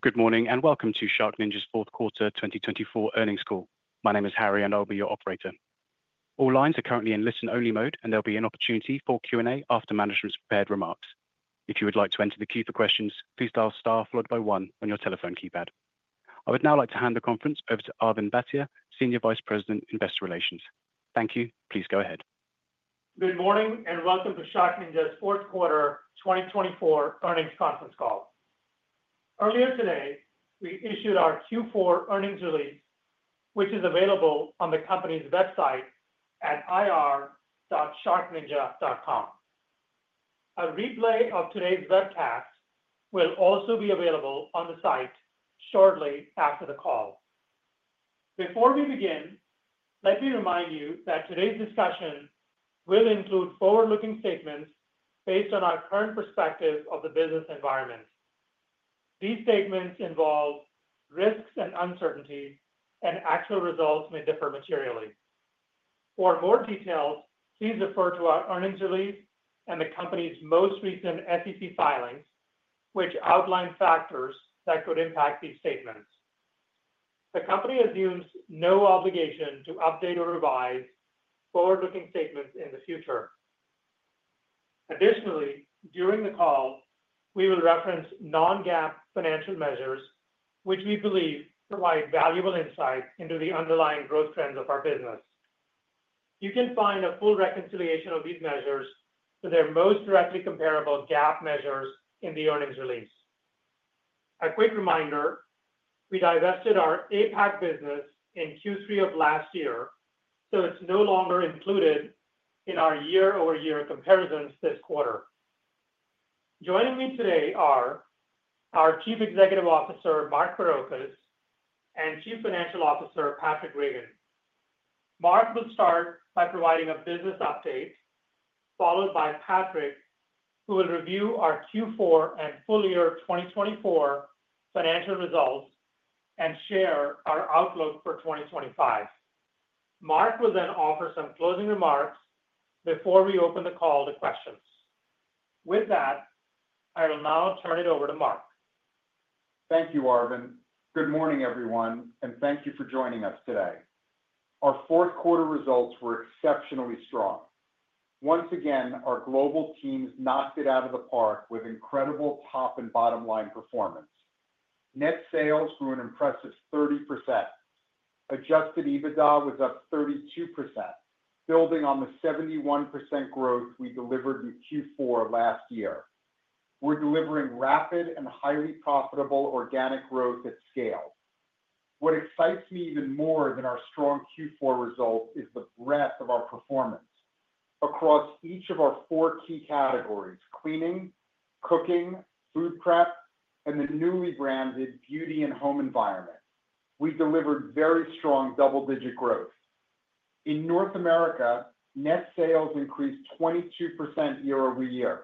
Good morning and welcome to SharkNinja's Fourth Quarter 2024 Earnings Conference Call. My name is Harry, and I'll be your operator. All lines are currently in listen-only mode, and there'll be an opportunity for Q&A after management's prepared remarks. If you would like to enter the queue for questions, please dial star followed by one on your telephone keypad. I would now like to hand the conference over to Arvind Bhatia, Senior Vice President, Investor Relations. Thank you. Please go ahead. Good morning and welcome to SharkNinja's Fourth Quarter 2024 Earnings Conference Call. Earlier today, we issued our Q4 earnings release, which is available on the company's website at ir.sharkninja.com. A replay of today's webcast will also be available on the site shortly after the call. Before we begin, let me remind you that today's discussion will include forward-looking statements based on our current perspective of the business environment. These statements involve risks and uncertainty, and actual results may differ materially. For more details, please refer to our earnings release and the company's most recent SEC filings, which outline factors that could impact these statements. The company assumes no obligation to update or revise forward-looking statements in the future. Additionally, during the call, we will reference non-GAAP financial measures, which we believe provide valuable insight into the underlying growth trends of our business. You can find a full reconciliation of these measures to their most directly comparable GAAP measures in the earnings release. A quick reminder, we divested our APAC business in Q3 of last year, so it's no longer included in our year-over-year comparisons this quarter. Joining me today are our Chief Executive Officer, Mark Barrocas, and Chief Financial Officer, Patraic Reagan. Mark will start by providing a business update, followed by Patraic, who will review our Q4 and full-year 2024 financial results and share our outlook for 2025. Mark will then offer some closing remarks before we open the call to questions. With that, I will now turn it over to Mark. Thank you, Arvind. Good morning, everyone, and thank you for joining us today. Our fourth quarter results were exceptionally strong. Once again, our global teams knocked it out of the park with incredible top and bottom line performance. Net sales grew an impressive 30%. Adjusted EBITDA was up 32%, building on the 71% growth we delivered in Q4 last year. We're delivering rapid and highly profitable organic growth at scale. What excites me even more than our strong Q4 results is the breadth of our performance. Across each of our four key categories: cleaning, cooking, food prep, and the newly branded beauty and home environment, we delivered very strong double-digit growth. In North America, net sales increased 22% year-over-year.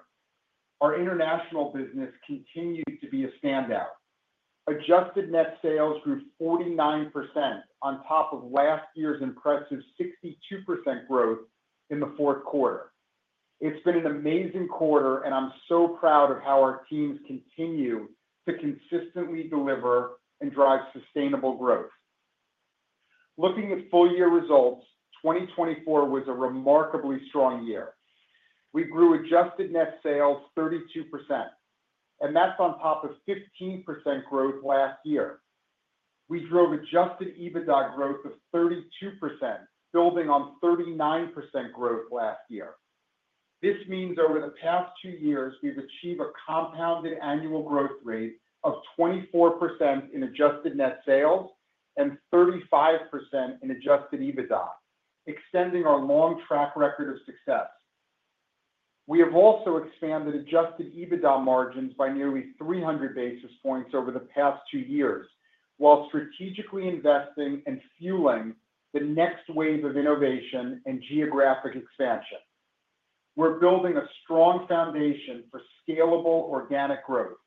Our international business continues to be a standout. Adjusted net sales grew 49% on top of last year's impressive 62% growth in the fourth quarter. It's been an amazing quarter, and I'm so proud of how our teams continue to consistently deliver and drive sustainable growth. Looking at full year results, 2024 was a remarkably strong year. We grew adjusted net sales 32%, and that's on top of 15% growth last year. We drove adjusted EBITDA growth of 32%, building on 39% growth last year. This means over the past two years, we've achieved a compounded annual growth rate of 24% in adjusted net sales and 35% in adjusted EBITDA, extending our long track record of success. We have also expanded adjusted EBITDA margins by nearly 300 basis points over the past two years, while strategically investing and fueling the next wave of innovation and geographic expansion. We're building a strong foundation for scalable organic growth.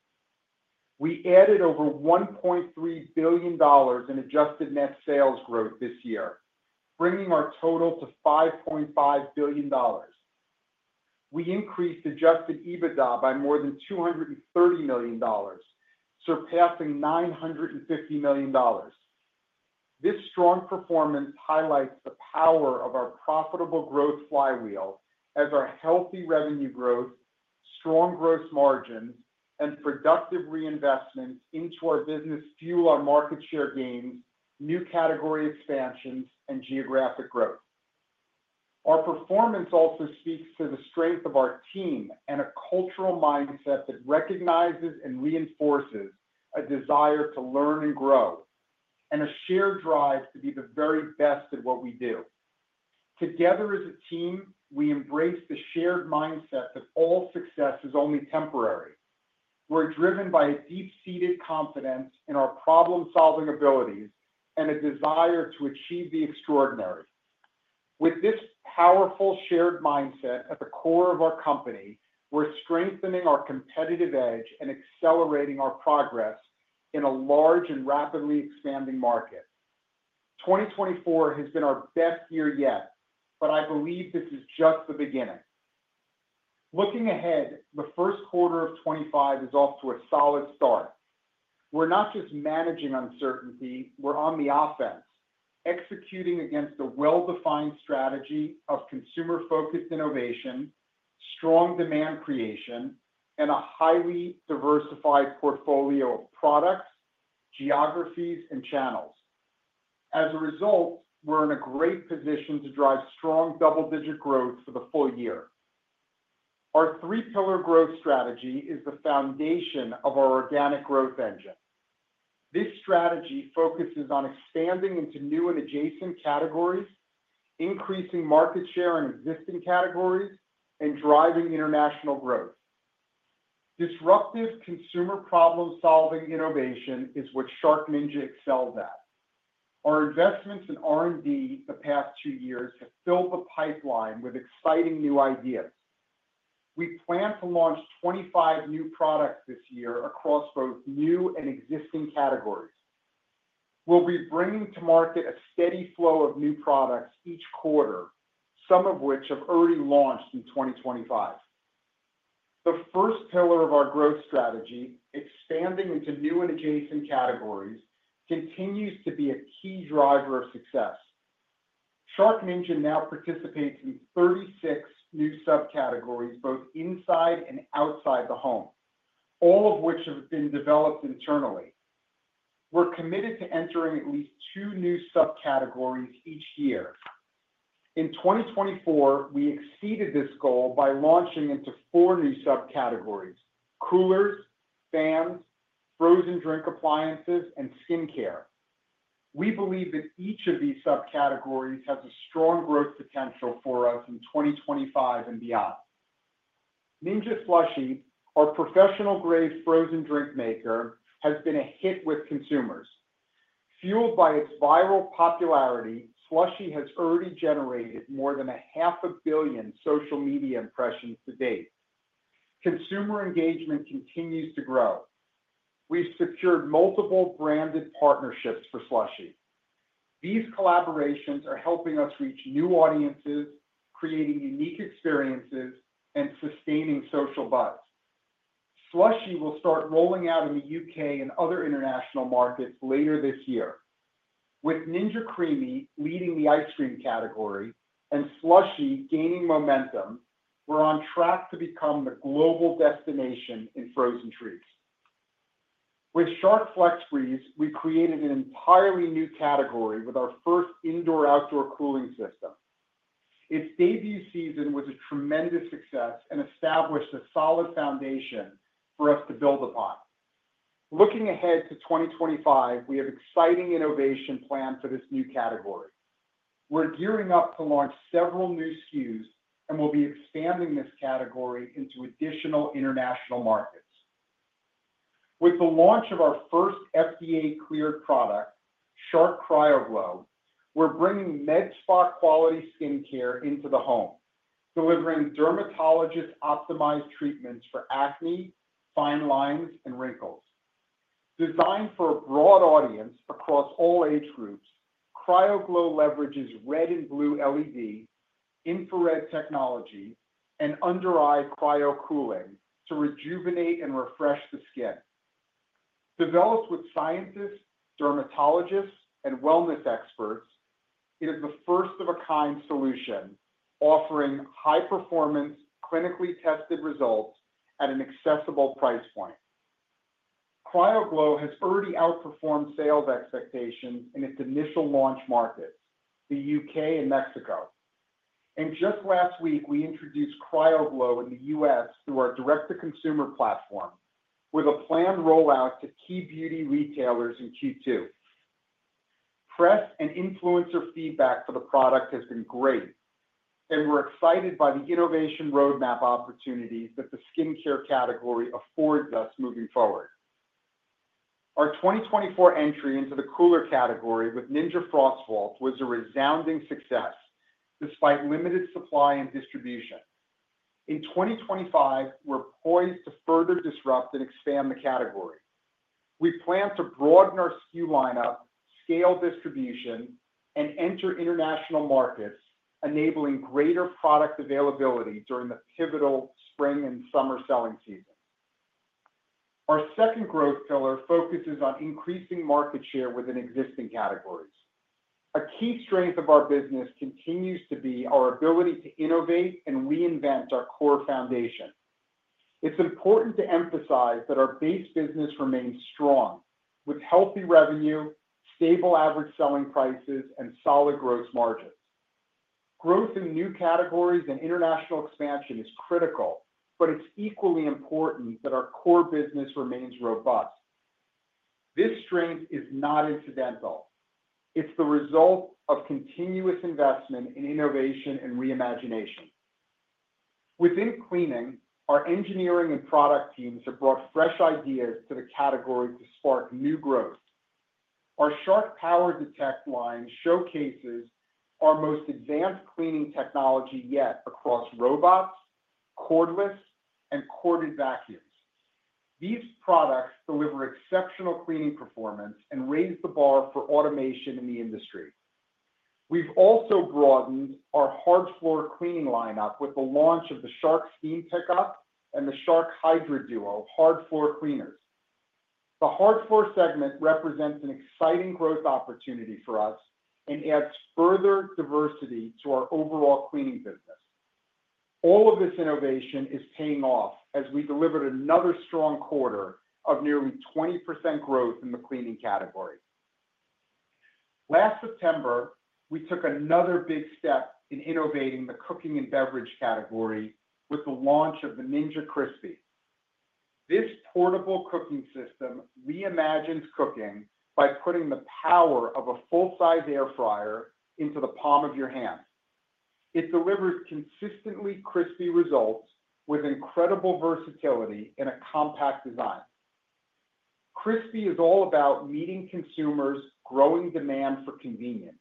We added over $1.3 billion in adjusted net sales growth this year, bringing our total to $5.5 billion. We increased Adjusted EBITDA by more than $230 million, surpassing $950 million. This strong performance highlights the power of our profitable growth flywheel as our healthy revenue growth, strong gross margins, and productive reinvestments into our business fuel our market share gains, new category expansions, and geographic growth. Our performance also speaks to the strength of our team and a cultural mindset that recognizes and reinforces a desire to learn and grow, and a shared drive to be the very best at what we do. Together as a team, we embrace the shared mindset that all success is only temporary. We're driven by a deep-seated confidence in our problem-solving abilities and a desire to achieve the extraordinary. With this powerful shared mindset at the core of our company, we're strengthening our competitive edge and accelerating our progress in a large and rapidly expanding market. 2024 has been our best year yet, but I believe this is just the beginning. Looking ahead, the first quarter of 2025 is off to a solid start. We're not just managing uncertainty, we're on the offense, executing against a well-defined strategy of consumer-focused innovation, strong demand creation, and a highly diversified portfolio of products, geographies, and channels. As a result, we're in a great position to drive strong double-digit growth for the full year. Our three-pillar growth strategy is the foundation of our organic growth engine. This strategy focuses on expanding into new and adjacent categories, increasing market share in existing categories, and driving international growth. Disruptive consumer problem-solving innovation is what SharkNinja excels at. Our investments in R&D the past two years have filled the pipeline with exciting new ideas. We plan to launch 25 new products this year across both new and existing categories. We'll be bringing to market a steady flow of new products each quarter, some of which have already launched in 2025. The first pillar of our growth strategy, expanding into new and adjacent categories, continues to be a key driver of success. SharkNinja now participates in 36 new subcategories, both inside and outside the home, all of which have been developed internally. We're committed to entering at least two new subcategories each year. In 2024, we exceeded this goal by launching into four new subcategories: coolers, fans, frozen drink appliances, and skincare. We believe that each of these subcategories has a strong growth potential for us in 2025 and beyond. Ninja SLUSHi, our professional-grade frozen drink maker, has been a hit with consumers. Fueled by its viral popularity, SLUSHi has already generated more than 500 million social media impressions to date. Consumer engagement continues to grow. We've secured multiple branded partnerships for SLUSHi. These collaborations are helping us reach new audiences, creating unique experiences, and sustaining social buzz. SLUSHi will start rolling out in the U.K. and other international markets later this year. With Ninja CREAMi leading the ice cream category and SLUSHi gaining momentum, we're on track to become the global destination in frozen treats. With Shark FlexBreeze, we created an entirely new category with our first indoor-outdoor cooling system. Its debut season was a tremendous success and established a solid foundation for us to build upon. Looking ahead to 2025, we have exciting innovation planned for this new category. We're gearing up to launch several new SKUs and will be expanding this category into additional international markets. With the launch of our first FDA-cleared product, Shark CryoGlow, we're bringing med-spa quality skincare into the home, delivering dermatologist-optimized treatments for acne, fine lines, and wrinkles. Designed for a broad audience across all age groups, CryoGlow leverages red and blue LED, infrared technology, and under-eye cryocooling to rejuvenate and refresh the skin. Developed with scientists, dermatologists, and wellness experts, it is the first-of-a-kind solution offering high-performance, clinically tested results at an accessible price point. CryoGlow has already outperformed sales expectations in its initial launch markets, the U.K. and Mexico, and just last week, we introduced CryoGlow in the U.S. through our direct-to-consumer platform, with a planned rollout to key beauty retailers in Q2. Press and influencer feedback for the product has been great, and we're excited by the innovation roadmap opportunities that the skincare category affords us moving forward. Our 2024 entry into the cooler category with Ninja FrostVault was a resounding success despite limited supply and distribution. In 2025, we're poised to further disrupt and expand the category. We plan to broaden our SKU lineup, scale distribution, and enter international markets, enabling greater product availability during the pivotal spring and summer selling season. Our second growth pillar focuses on increasing market share within existing categories. A key strength of our business continues to be our ability to innovate and reinvent our core foundation. It's important to emphasize that our base business remains strong, with healthy revenue, stable average selling prices, and solid gross margins. Growth in new categories and international expansion is critical, but it's equally important that our core business remains robust. This strength is not incidental. It's the result of continuous investment in innovation and reimagination. Within cleaning, our engineering and product teams have brought fresh ideas to the category to spark new growth. Our Shark PowerDetect line showcases our most advanced cleaning technology yet across robots, cordless, and corded vacuums. These products deliver exceptional cleaning performance and raise the bar for automation in the industry. We've also broadened our hard floor cleaning lineup with the launch of the Shark SteamPickup and the Shark HydroDuo hard floor cleaners. The hard floor segment represents an exciting growth opportunity for us and adds further diversity to our overall cleaning business. All of this innovation is paying off as we delivered another strong quarter of nearly 20% growth in the cleaning category. Last September, we took another big step in innovating the cooking and beverage category with the launch of the Ninja Crispi. This portable cooking system reimagines cooking by putting the power of a full-size air fryer into the palm of your hand. It delivers consistently crispy results with incredible versatility and a compact design. Crispi is all about meeting consumers' growing demand for convenience.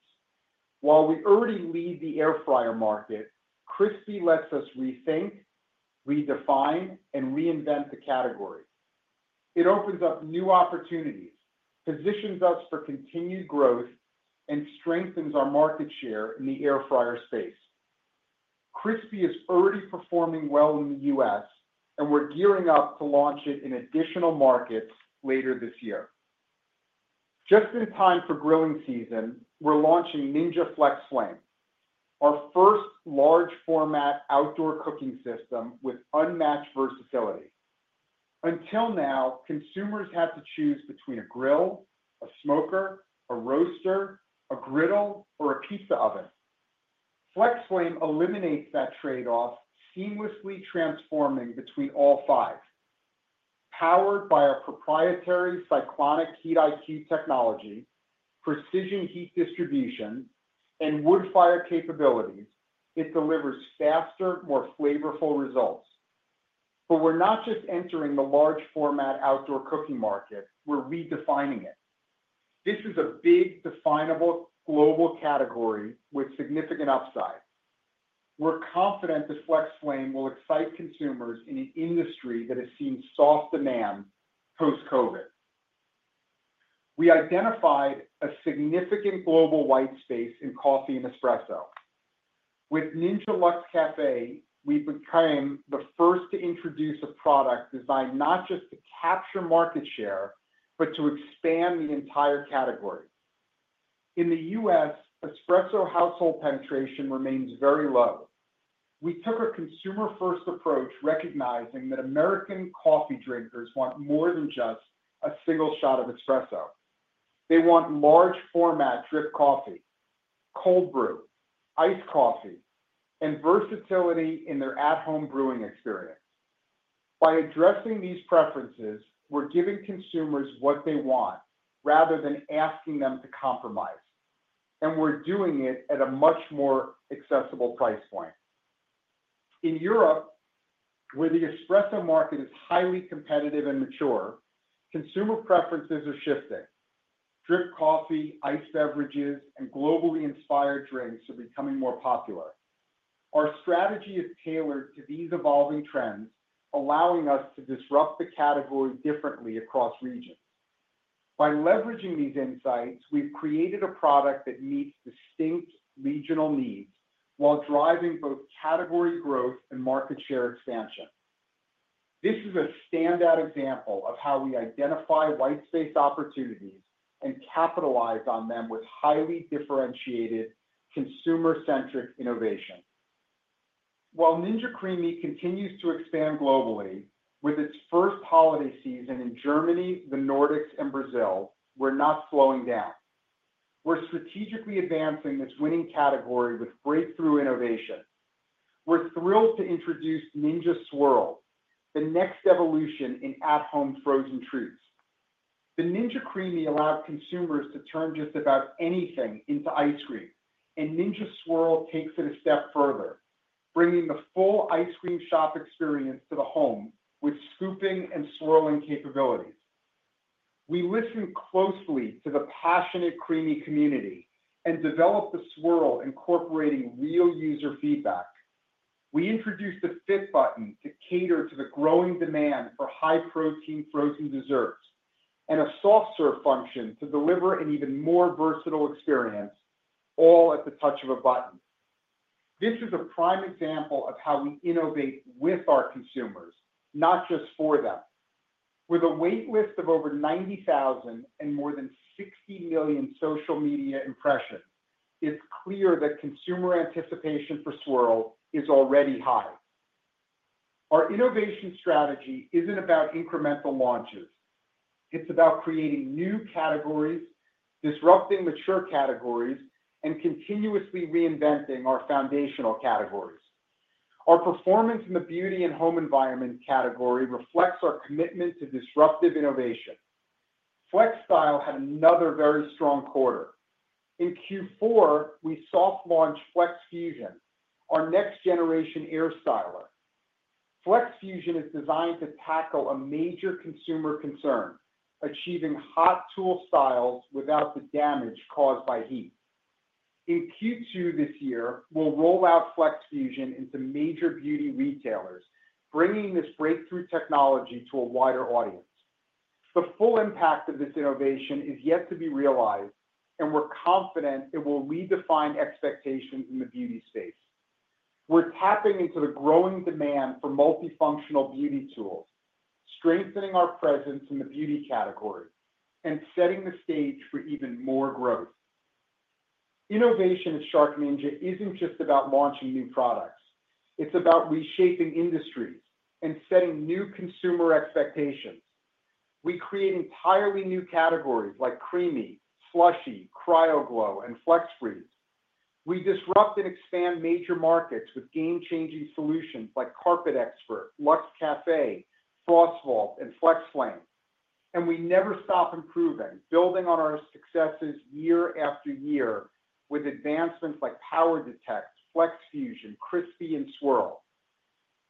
While we already lead the air fryer market, Crispi lets us rethink, redefine, and reinvent the category. It opens up new opportunities, positions us for continued growth, and strengthens our market share in the air fryer space. Crispi is already performing well in the U.S., and we're gearing up to launch it in additional markets later this year. Just in time for grilling season, we're launching Ninja FlexFlame, our first large-format outdoor cooking system with unmatched versatility. Until now, consumers had to choose between a grill, a smoker, a roaster, a griddle, or a pizza oven. FlexFlame eliminates that trade-off, seamlessly transforming between all five. Powered by our proprietary Cyclonic Heat IQ technology, precision heat distribution, and wood fire capabilities, it delivers faster, more flavorful results. But we're not just entering the large-format outdoor cooking market. We're redefining it. This is a big, definable, global category with significant upside. We're confident that Ninja FlexFlame will excite consumers in an industry that has seen soft demand post-COVID. We identified a significant global white space in coffee and espresso. With Ninja Luxe Café, we became the first to introduce a product designed not just to capture market share, but to expand the entire category. In the U.S., espresso household penetration remains very low. We took a consumer-first approach, recognizing that American coffee drinkers want more than just a single shot of espresso. They want large-format drip coffee, cold brew, iced coffee, and versatility in their at-home brewing experience. By addressing these preferences, we're giving consumers what they want rather than asking them to compromise. And we're doing it at a much more accessible price point. In Europe, where the espresso market is highly competitive and mature, consumer preferences are shifting. Drip coffee, iced beverages, and globally inspired drinks are becoming more popular. Our strategy is tailored to these evolving trends, allowing us to disrupt the category differently across regions. By leveraging these insights, we've created a product that meets distinct regional needs while driving both category growth and market share expansion. This is a standout example of how we identify white space opportunities and capitalize on them with highly differentiated, consumer-centric innovation. While Ninja CREAMi continues to expand globally, with its first holiday season in Germany, the Nordics, and Brazil, we're not slowing down. We're strategically advancing this winning category with breakthrough innovation. We're thrilled to introduce Ninja Swirl, the next evolution in at-home frozen treats. The Ninja CREAMi allowed consumers to turn just about anything into ice cream, and Ninja Swirl takes it a step further, bringing the full ice cream shop experience to the home with scooping and swirling capabilities. We listen closely to the passionate CREAMi community and develop the Swirl, incorporating real user feedback. We introduced the Fit button to cater to the growing demand for high-protein frozen desserts and a soft serve function to deliver an even more versatile experience, all at the touch of a button. This is a prime example of how we innovate with our consumers, not just for them. With a waitlist of over 90,000 and more than 60 million social media impressions, it's clear that consumer anticipation for Swirl is already high. Our innovation strategy isn't about incremental launches. It's about creating new categories, disrupting mature categories, and continuously reinventing our foundational categories. Our performance in the beauty and home environment category reflects our commitment to disruptive innovation. FlexStyle had another very strong quarter. In Q4, we soft launched FlexFusion, our next-generation air styler. FlexFusion is designed to tackle a major consumer concern, achieving hot tool styles without the damage caused by heat. In Q2 this year, we'll roll out FlexFusion into major beauty retailers, bringing this breakthrough technology to a wider audience. The full impact of this innovation is yet to be realized, and we're confident it will redefine expectations in the beauty space. We're tapping into the growing demand for multifunctional beauty tools, strengthening our presence in the beauty category, and setting the stage for even more growth. Innovation at SharkNinja isn't just about launching new products. It's about reshaping industries and setting new consumer expectations. We create entirely new categories like CREAMi, SLUSHi, CryoGlow, and FlexBreeze. We disrupt and expand major markets with game-changing solutions like CarpetXpert, Luxe Café, FrostVault, and FlexFlame, and we never stop improving, building on our successes year after year with advancements like PowerDetect, FlexFusion, Crispi, and Swirl.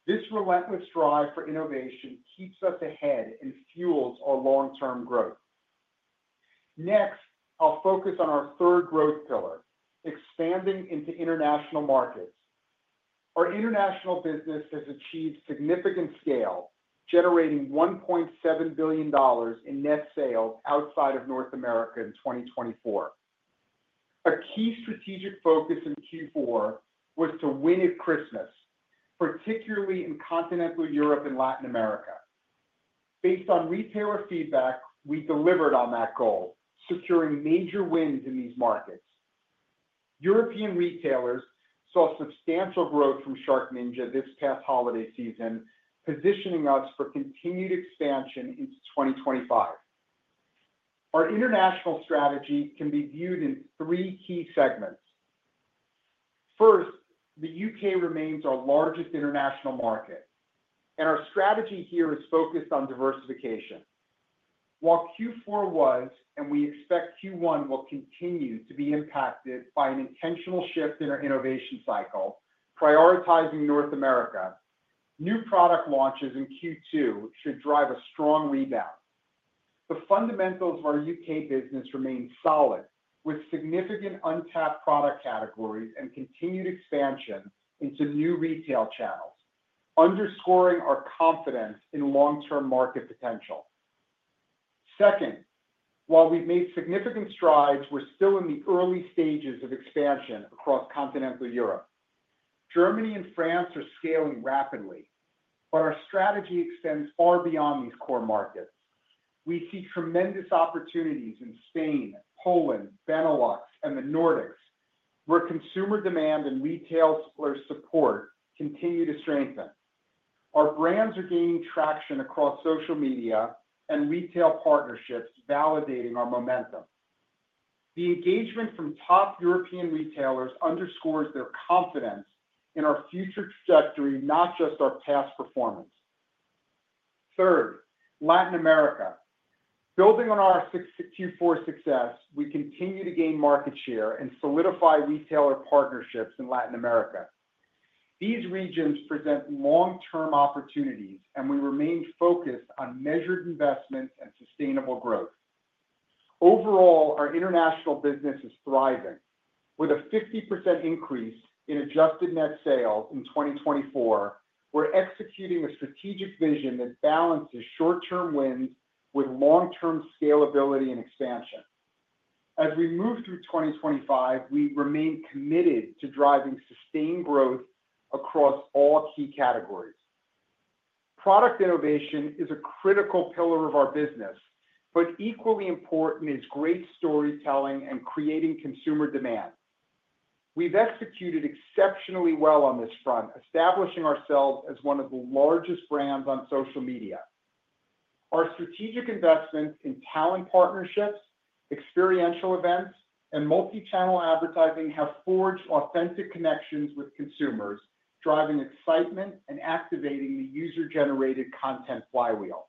This relentless drive for innovation keeps us ahead and fuels our long-term growth. Next, I'll focus on our third growth pillar, expanding into international markets. Our international business has achieved significant scale, generating $1.7 billion in net sales outside of North America in 2024. A key strategic focus in Q4 was to win at Christmas, particularly in continental Europe and Latin America. Based on retailer feedback, we delivered on that goal, securing major wins in these markets. European retailers saw substantial growth from SharkNinja this past holiday season, positioning us for continued expansion into 2025. Our international strategy can be viewed in three key segments. First, the U.K. remains our largest international market, and our strategy here is focused on diversification. While Q4 was, and we expect Q1 will continue to be impacted by an intentional shift in our innovation cycle, prioritizing North America, new product launches in Q2 should drive a strong rebound. The fundamentals of our U.K. business remain solid, with significant untapped product categories and continued expansion into new retail channels, underscoring our confidence in long-term market potential. Second, while we've made significant strides, we're still in the early stages of expansion across continental Europe. Germany and France are scaling rapidly, but our strategy extends far beyond these core markets. We see tremendous opportunities in Spain, Poland, Benelux, and the Nordics, where consumer demand and retailers' support continue to strengthen. Our brands are gaining traction across social media and retail partnerships, validating our momentum. The engagement from top European retailers underscores their confidence in our future trajectory, not just our past performance. Third, Latin America. Building on our Q4 success, we continue to gain market share and solidify retailer partnerships in Latin America. These regions present long-term opportunities, and we remain focused on measured investment and sustainable growth. Overall, our international business is thriving. With a 50% increase in adjusted net sales in 2024, we're executing a strategic vision that balances short-term wins with long-term scalability and expansion. As we move through 2025, we remain committed to driving sustained growth across all key categories. Product innovation is a critical pillar of our business, but equally important is great storytelling and creating consumer demand. We've executed exceptionally well on this front, establishing ourselves as one of the largest brands on social media. Our strategic investments in talent partnerships, experiential events, and multi-channel advertising have forged authentic connections with consumers, driving excitement and activating the user-generated content flywheel.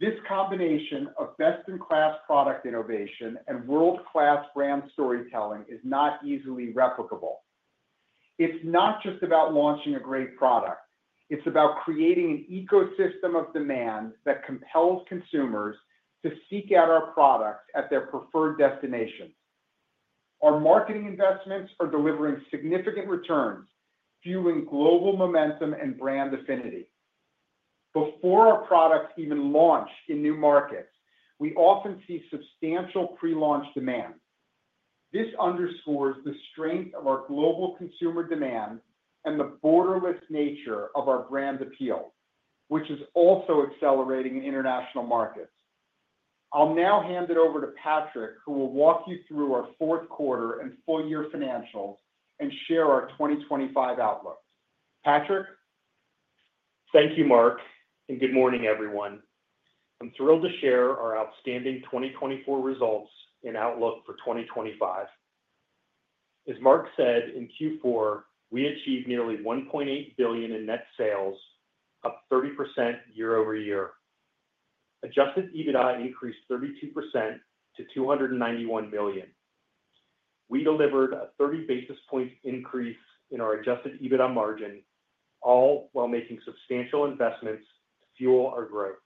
This combination of best-in-class product innovation and world-class brand storytelling is not easily replicable. It's not just about launching a great product. It's about creating an ecosystem of demand that compels consumers to seek out our products at their preferred destinations. Our marketing investments are delivering significant returns, fueling global momentum and brand affinity. Before our products even launch in new markets, we often see substantial pre-launch demand. This underscores the strength of our global consumer demand and the borderless nature of our brand appeal, which is also accelerating in international markets. I'll now hand it over to Patraic, who will walk you through our fourth quarter and full-year financials and share our 2025 outlook. Patraic? Thank you, Mark, and good morning, everyone. I'm thrilled to share our outstanding 2024 results and outlook for 2025. As Mark said, in Q4, we achieved nearly $1.8 billion in net sales, up 30% year-over-year. Adjusted EBITDA increased 32% to $291 million. We delivered a 30 basis points increase in our adjusted EBITDA margin, all while making substantial investments to fuel our growth,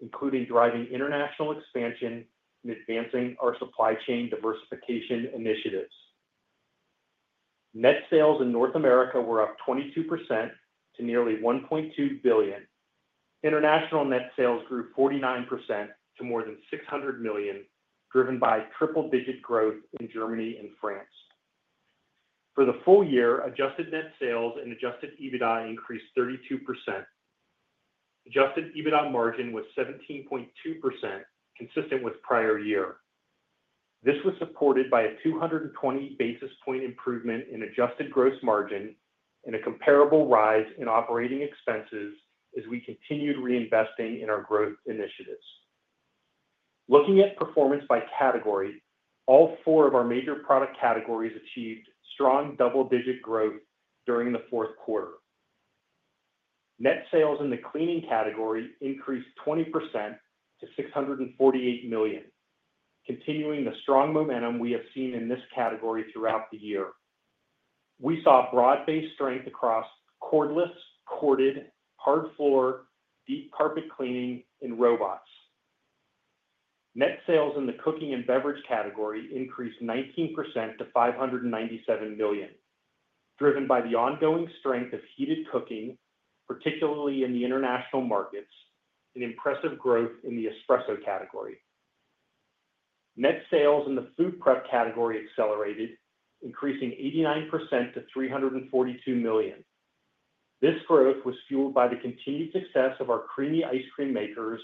including driving international expansion and advancing our supply chain diversification initiatives. Net sales in North America were up 22% to nearly $1.2 billion. International net sales grew 49% to more than $600 million, driven by triple-digit growth in Germany and France. For the full year, adjusted net sales and adjusted EBITDA increased 32%. Adjusted EBITDA margin was 17.2%, consistent with prior year. This was supported by a 220 basis point improvement in adjusted gross margin and a comparable rise in operating expenses as we continued reinvesting in our growth initiatives. Looking at performance by category, all four of our major product categories achieved strong double-digit growth during the fourth quarter. Net sales in the cleaning category increased 20% to $648 million, continuing the strong momentum we have seen in this category throughout the year. We saw broad-based strength across cordless, corded, hard floor, deep carpet cleaning, and robots. Net sales in the cooking and beverage category increased 19% to $597 million, driven by the ongoing strength of heated cooking, particularly in the international markets, and impressive growth in the espresso category. Net sales in the food prep category accelerated, increasing 89% to $342 million. This growth was fueled by the continued success of our CREAMi ice cream makers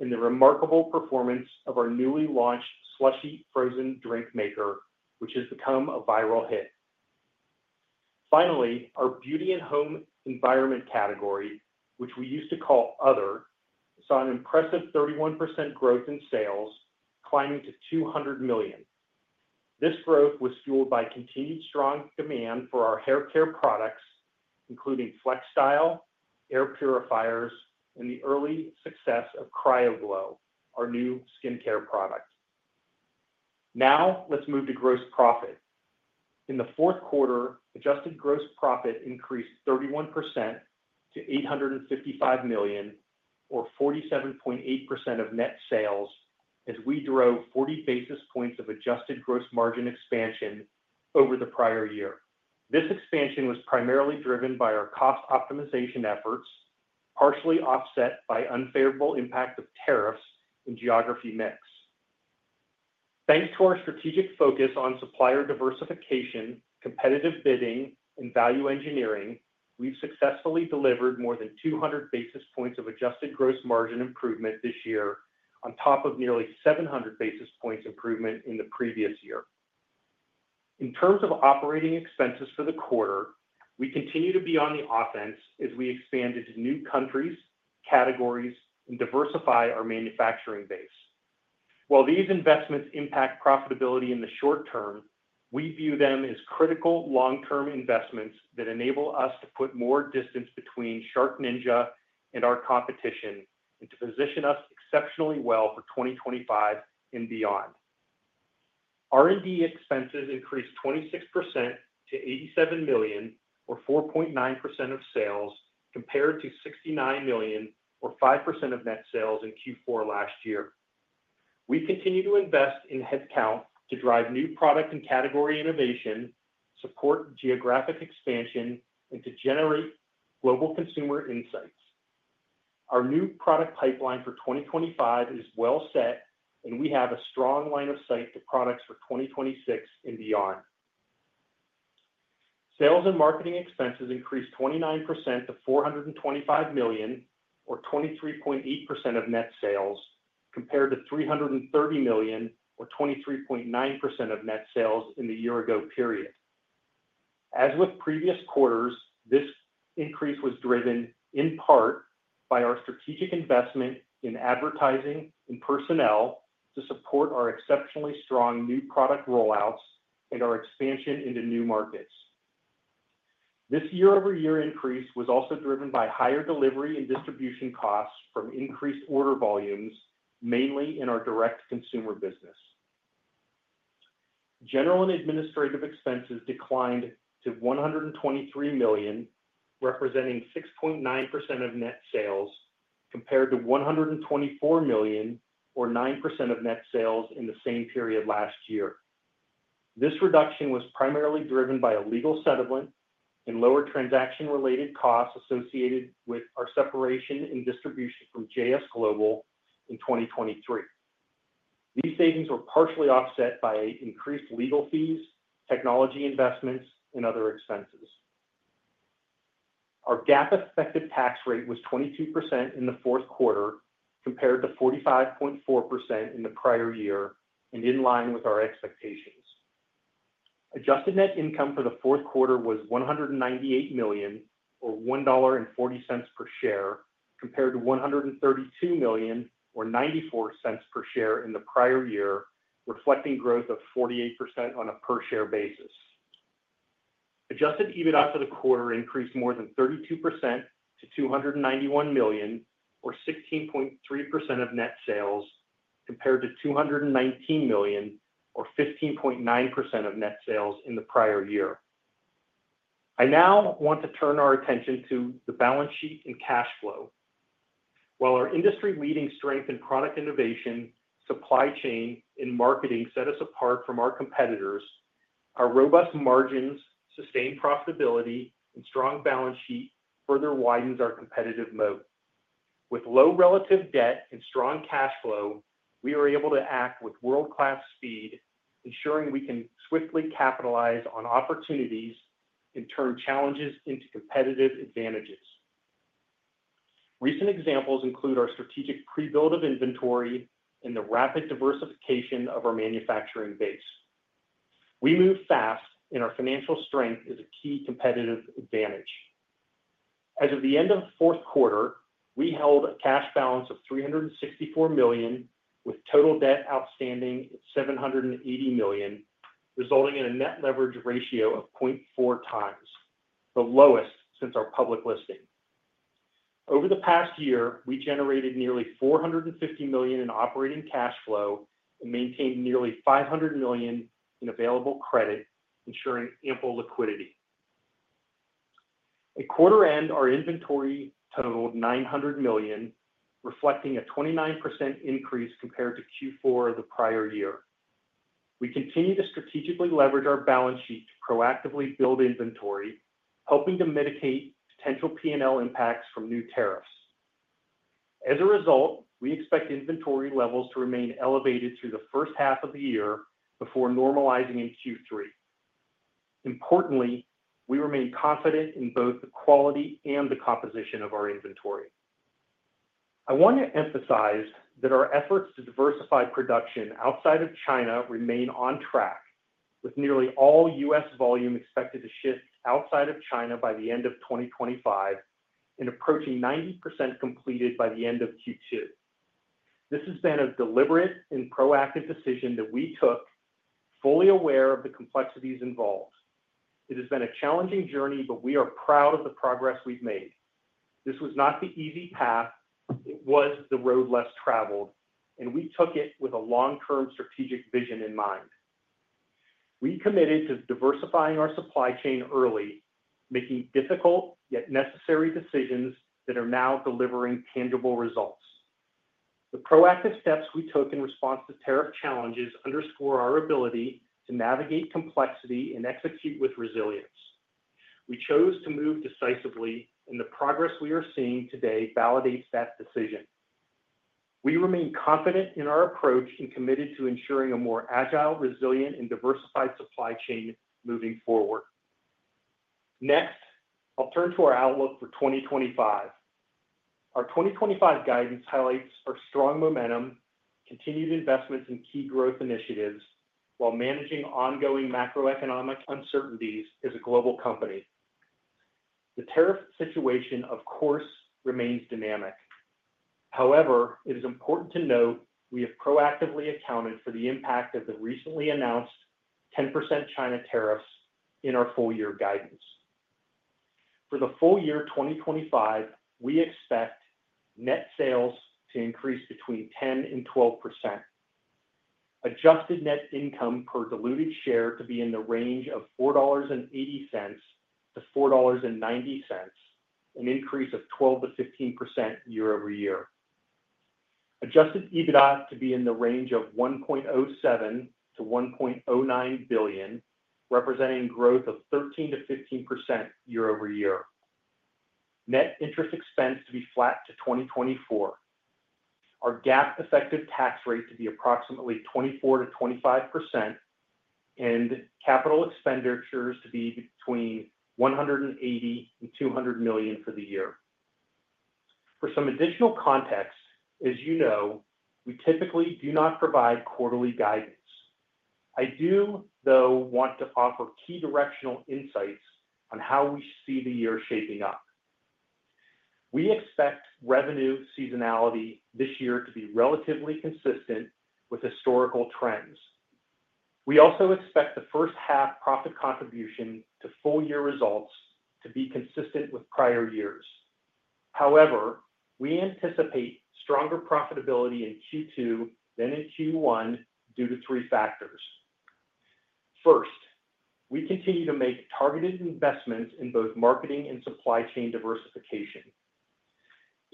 and the remarkable performance of our newly launched SLUSHi frozen drink maker, which has become a viral hit. Finally, our beauty and home environment category, which we used to call Other, saw an impressive 31% growth in sales, climbing to $200 million. This growth was fueled by continued strong demand for our hair care products, including FlexStyle, air purifiers, and the early success of CryoGlow, our new skincare product. Now, let's move to gross profit. In the fourth quarter, adjusted gross profit increased 31% to $855 million, or 47.8% of net sales, as we drove 40 basis points of adjusted gross margin expansion over the prior year. This expansion was primarily driven by our cost optimization efforts, partially offset by the unfavorable impact of tariffs and geography mix. Thanks to our strategic focus on supplier diversification, competitive bidding, and value engineering, we've successfully delivered more than 200 basis points of adjusted gross margin improvement this year, on top of nearly 700 basis points improvement in the previous year. In terms of operating expenses for the quarter, we continue to be on the offense as we expand into new countries, categories, and diversify our manufacturing base. While these investments impact profitability in the short term, we view them as critical long-term investments that enable us to put more distance between SharkNinja and our competition and to position us exceptionally well for 2025 and beyond. R&D expenses increased 26% to $87 million, or 4.9% of sales, compared to $69 million, or 5% of net sales in Q4 last year. We continue to invest in headcount to drive new product and category innovation, support geographic expansion, and to generate global consumer insights. Our new product pipeline for 2025 is well set, and we have a strong line of sight to products for 2026 and beyond. Sales and marketing expenses increased 29% to $425 million, or 23.8% of net sales, compared to $330 million, or 23.9% of net sales in the year-ago period. As with previous quarters, this increase was driven, in part, by our strategic investment in advertising and personnel to support our exceptionally strong new product rollouts and our expansion into new markets. This year-over-year increase was also driven by higher delivery and distribution costs from increased order volumes, mainly in our direct-to-consumer business. General and administrative expenses declined to $123 million, representing 6.9% of net sales, compared to $124 million, or 9% of net sales in the same period last year. This reduction was primarily driven by a legal settlement and lower transaction-related costs associated with our separation and distribution from JS Global in 2023. These savings were partially offset by increased legal fees, technology investments, and other expenses. Our GAAP-effective tax rate was 22% in the fourth quarter, compared to 45.4% in the prior year, and in line with our expectations. Adjusted net income for the fourth quarter was $198 million, or $1.40 per share, compared to $132 million, or $0.94 per share in the prior year, reflecting growth of 48% on a per-share basis. Adjusted EBITDA for the quarter increased more than 32% to $291 million, or 16.3% of net sales, compared to $219 million, or 15.9% of net sales in the prior year. I now want to turn our attention to the balance sheet and cash flow. While our industry-leading strength in product innovation, supply chain, and marketing set us apart from our competitors, our robust margins, sustained profitability, and strong balance sheet further widens our competitive moat. With low relative debt and strong cash flow, we are able to act with world-class speed, ensuring we can swiftly capitalize on opportunities and turn challenges into competitive advantages. Recent examples include our strategic pre-build of inventory and the rapid diversification of our manufacturing base. We move fast, and our financial strength is a key competitive advantage. As of the end of the fourth quarter, we held a cash balance of $364 million, with total debt outstanding at $780 million, resulting in a net leverage ratio of 0.4x, the lowest since our public listing. Over the past year, we generated nearly $450 million in operating cash flow and maintained nearly $500 million in available credit, ensuring ample liquidity. At quarter end, our inventory totaled $900 million, reflecting a 29% increase compared to Q4 of the prior year. We continue to strategically leverage our balance sheet to proactively build inventory, helping to mitigate potential P&L impacts from new tariffs. As a result, we expect inventory levels to remain elevated through the first half of the year before normalizing in Q3. Importantly, we remain confident in both the quality and the composition of our inventory. I want to emphasize that our efforts to diversify production outside of China remain on track, with nearly all U.S. volume expected to shift outside of China by the end of 2025 and approaching 90% completed by the end of Q2. This has been a deliberate and proactive decision that we took, fully aware of the complexities involved. It has been a challenging journey, but we are proud of the progress we've made. This was not the easy path. It was the road less traveled, and we took it with a long-term strategic vision in mind. We committed to diversifying our supply chain early, making difficult yet necessary decisions that are now delivering tangible results. The proactive steps we took in response to tariff challenges underscore our ability to navigate complexity and execute with resilience. We chose to move decisively, and the progress we are seeing today validates that decision. We remain confident in our approach and committed to ensuring a more agile, resilient, and diversified supply chain moving forward. Next, I'll turn to our outlook for 2025. Our 2025 guidance highlights our strong momentum, continued investments, and key growth initiatives, while managing ongoing macroeconomic uncertainties as a global company. The tariff situation, of course, remains dynamic. However, it is important to note we have proactively accounted for the impact of the recently announced 10% China tariffs in our full-year guidance. For the full year 2025, we expect net sales to increase between 10%-12%, Adjusted Net Income per diluted share to be in the range of $4.80-$4.90, an increase of 12%-15% year-over-year, Adjusted EBITDA to be in the range of $1.07-$1.09 billion, representing growth of 13%-15% year-over-year, net interest expense to be flat to 2024, our GAAP-effective tax rate to be approximately 24%-25%, and capital expenditures to be between $180-$200 million for the year. For some additional context, as you know, we typically do not provide quarterly guidance. I do, though, want to offer key directional insights on how we see the year shaping up. We expect revenue seasonality this year to be relatively consistent with historical trends. We also expect the first-half profit contribution to full-year results to be consistent with prior years. However, we anticipate stronger profitability in Q2 than in Q1 due to three factors. First, we continue to make targeted investments in both marketing and supply chain diversification.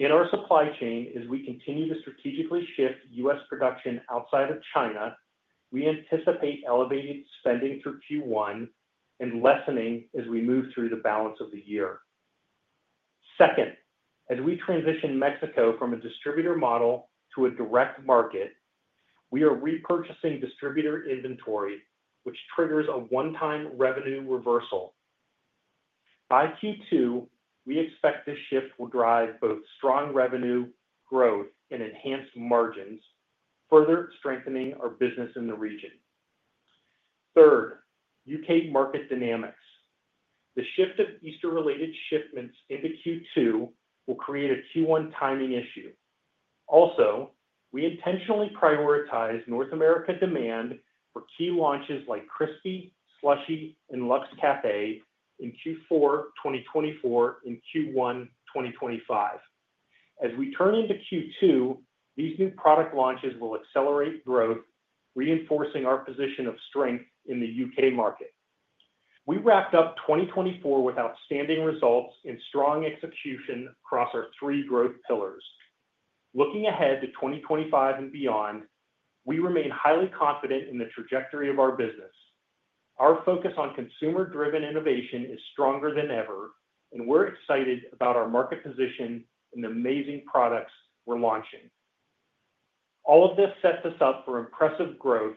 In our supply chain, as we continue to strategically shift U.S. production outside of China, we anticipate elevated spending through Q1 and lessening as we move through the balance of the year. Second, as we transition Mexico from a distributor model to a direct market, we are repurchasing distributor inventory, which triggers a one-time revenue reversal. By Q2, we expect this shift will drive both strong revenue growth and enhanced margins, further strengthening our business in the region. Third, U.K. market dynamics. The shift of Easter-related shipments into Q2 will create a Q1 timing issue. Also, we intentionally prioritize North America demand for key launches like Crispi, SLUSHi, and Luxe Café in Q4 2024 and Q1 2025. As we turn into Q2, these new product launches will accelerate growth, reinforcing our position of strength in the U.K. market. We wrapped up 2024 with outstanding results and strong execution across our three growth pillars. Looking ahead to 2025 and beyond, we remain highly confident in the trajectory of our business. Our focus on consumer-driven innovation is stronger than ever, and we're excited about our market position and the amazing products we're launching. All of this sets us up for impressive growth,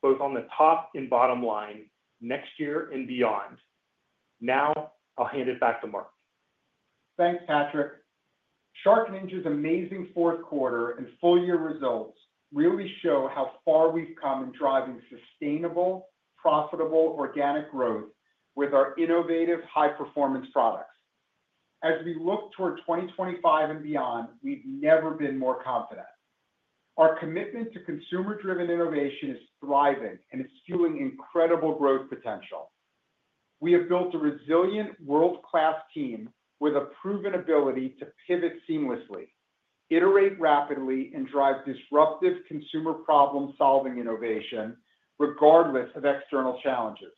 both on the top and bottom line, next year and beyond. Now, I'll hand it back to Mark. Thanks, Patraic. SharkNinja's amazing fourth quarter and full-year results really show how far we've come in driving sustainable, profitable, organic growth with our innovative, high-performance products. As we look toward 2025 and beyond, we've never been more confident. Our commitment to consumer-driven innovation is thriving, and it's fueling incredible growth potential. We have built a resilient, world-class team with a proven ability to pivot seamlessly, iterate rapidly, and drive disruptive consumer problem-solving innovation, regardless of external challenges.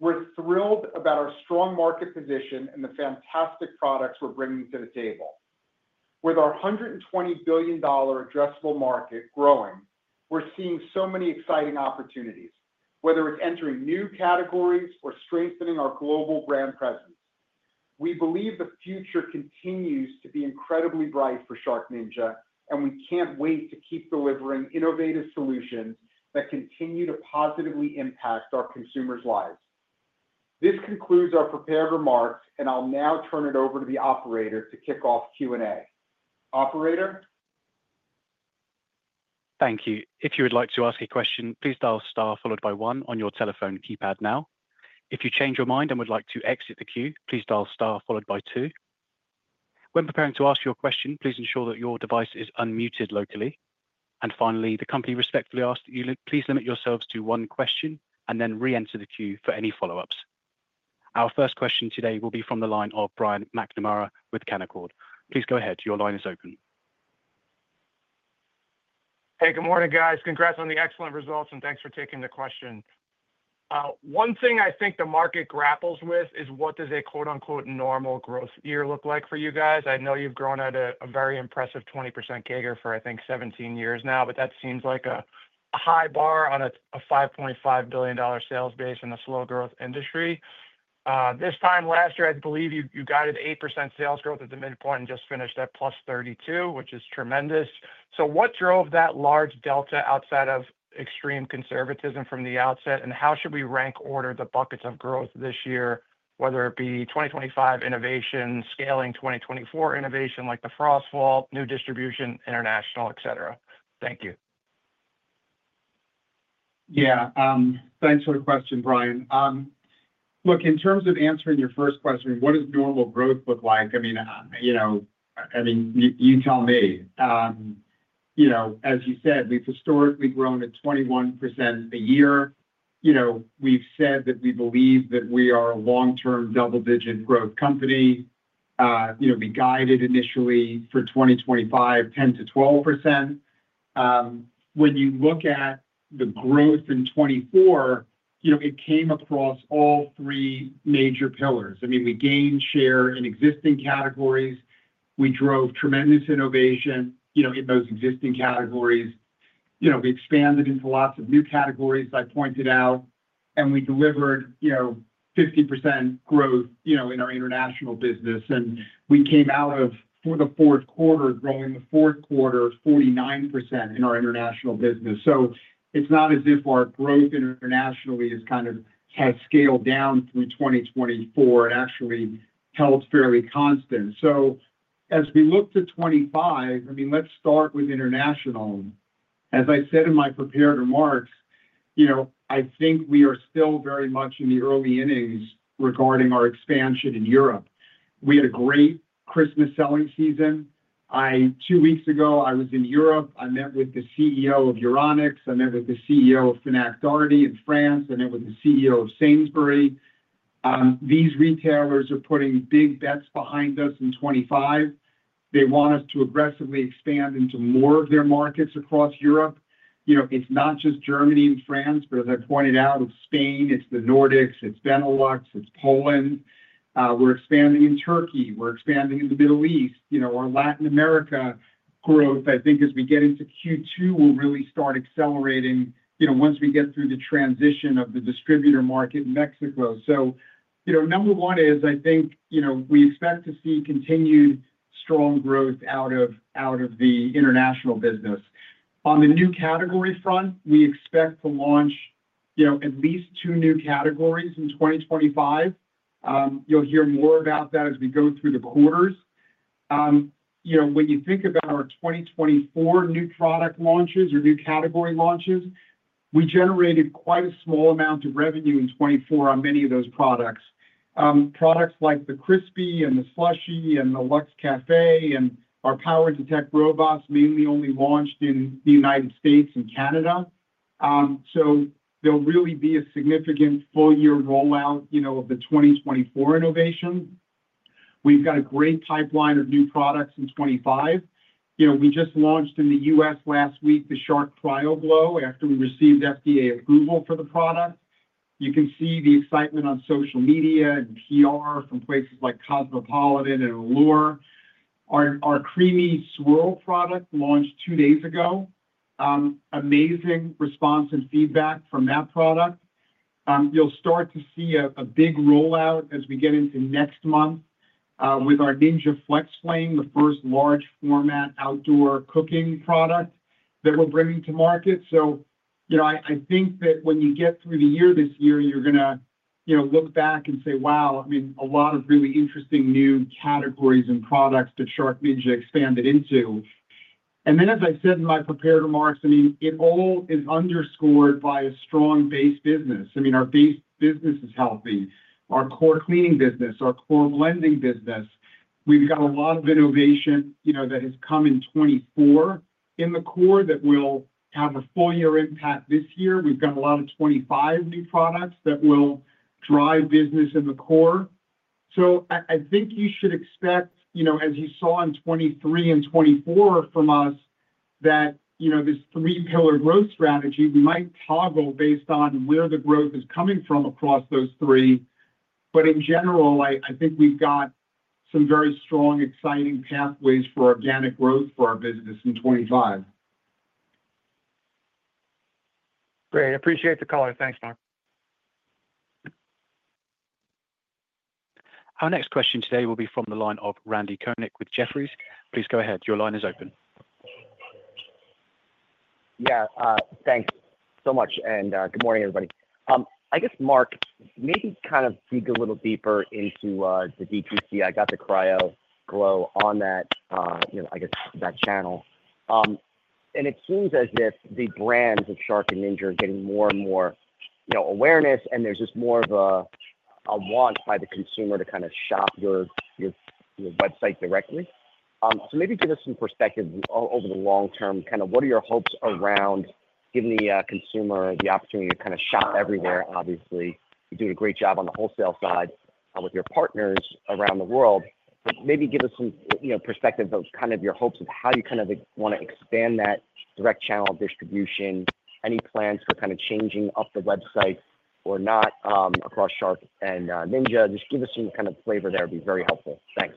We're thrilled about our strong market position and the fantastic products we're bringing to the table. With our $120 billion addressable market growing, we're seeing so many exciting opportunities, whether it's entering new categories or strengthening our global brand presence. We believe the future continues to be incredibly bright for SharkNinja, and we can't wait to keep delivering innovative solutions that continue to positively impact our consumers' lives. This concludes our prepared remarks, and I'll now turn it over to the operator to kick off Q&A. Operator? Thank you. If you would like to ask a question, please dial star followed by one on your telephone keypad now. If you change your mind and would like to exit the queue, please dial star followed by one. When preparing to ask your question, please ensure that your device is unmuted locally. And finally, the company respectfully asks that you please limit yourselves to one question and then re-enter the queue for any follow-ups. Our first question today will be from the line of Brian McNamara with Canaccord. Please go ahead. Your line is open. Hey, good morning, guys. Congrats on the excellent results, and thanks for taking the question. One thing I think the market grapples with is what does a "normal" growth year look like for you guys? I know you've grown at a very impressive 20% CAGR for, I think, 17 years now, but that seems like a high bar on a $5.5 billion sales base in a slow-growth industry. This time last year, I believe you guided 8% sales growth at the midpoint and just finished at +32, which is tremendous. So what drove that large delta outside of extreme conservatism from the outset, and how should we rank order the buckets of growth this year, whether it be 2025 innovation, scaling 2024 innovation like the FrostVault, new distribution, international, etc.? Thank you. Yeah, thanks for the question, Brian. Look, in terms of answering your first question, what does normal growth look like? I mean, you know, I mean, you tell me. You know, as you said, we've historically grown at 21% a year. You know, we've said that we believe that we are a long-term double-digit growth company. You know, we guided initially for 2025, 10%-12%. When you look at the growth in 2024, you know, it came across all three major pillars. I mean, we gained share in existing categories. We drove tremendous innovation, you know, in those existing categories. You know, we expanded into lots of new categories, as I pointed out, and we delivered, you know, 50% growth, you know, in our international business. And we came out of, for the fourth quarter, growing the fourth quarter 49% in our international business. So it's not as if our growth internationally has kind of scaled down through 2024 and actually held fairly constant. So as we look to 2025, I mean, let's start with international. As I said in my prepared remarks, you know, I think we are still very much in the early innings regarding our expansion in Europe. We had a great Christmas selling season. Two weeks ago, I was in Europe. I met with the CEO of Euronics. I met with the CEO of Fnac Darty in France. I met with the CEO of Sainsbury's. These retailers are putting big bets behind us in 2025. They want us to aggressively expand into more of their markets across Europe. You know, it's not just Germany and France, but as I pointed out, it's Spain, it's the Nordics, it's Benelux, it's Poland. We're expanding in Turkey. We're expanding in the Middle East. You know, our Latin America growth, I think as we get into Q2, we'll really start accelerating, you know, once we get through the transition of the distributor market in Mexico. So, you know, number one is, I think, you know, we expect to see continued strong growth out of the international business. On the new category front, we expect to launch, you know, at least two new categories in 2025. You'll hear more about that as we go through the quarters. You know, when you think about our 2024 new product launches or new category launches, we generated quite a small amount of revenue in 2024 on many of those products. Products like the Crispi and the SLUSHi and the Luxe Café and our PowerDetect robots mainly only launched in the United States and Canada. So there'll really be a significant full-year rollout, you know, of the 2024 innovation. We've got a great pipeline of new products in 2025. You know, we just launched in the U.S. Last week, the Shark CryoGlow, after we received FDA approval for the product. You can see the excitement on social media and PR from places like Cosmopolitan and Allure. Our Ninja Swirl product launched two days ago. Amazing response and feedback from that product. You'll start to see a big rollout as we get into next month with our Ninja FlexFlame, the first large-format outdoor cooking product that we're bringing to market. So, you know, I think that when you get through the year this year, you're going to, you know, look back and say, "Wow, I mean, a lot of really interesting new categories and products that SharkNinja expanded into." And then, as I said in my prepared remarks, I mean, it all is underscored by a strong base business. I mean, our base business is healthy. Our core cleaning business, our core blending business. We've got a lot of innovation, you know, that has come in 2024 in the core that will have a full-year impact this year. We've got a lot of 2025 new products that will drive business in the core. So I think you should expect, you know, as you saw in 2023 and 2024 from us, that, you know, this three-pillar growth strategy, we might toggle based on where the growth is coming from across those three. But in general, I think we've got some very strong, exciting pathways for organic growth for our business in 2025. Great. Appreciate the color. Thanks, Mark. Our next question today will be from the line of Randy Konik with Jefferies. Please go ahead. Your line is open. Yeah, thanks so much. And good morning, everybody. I guess, Mark, maybe kind of dig a little deeper into the DTC. I got the CryoGlow on that, you know, I guess that channel, and it seems as if the brands of Shark and Ninja are getting more and more, you know, awareness, and there's just more of a want by the consumer to kind of shop your website directly. So maybe give us some perspective over the long term. Kind of what are your hopes around giving the consumer the opportunity to kind of shop everywhere, obviously? You're doing a great job on the wholesale side with your partners around the world. But maybe give us some, you know, perspective of kind of your hopes of how you kind of want to expand that direct channel distribution. Any plans for kind of changing up the website or not across Shark and Ninja? Just give us some kind of flavor there. It'd be very helpful. Thanks.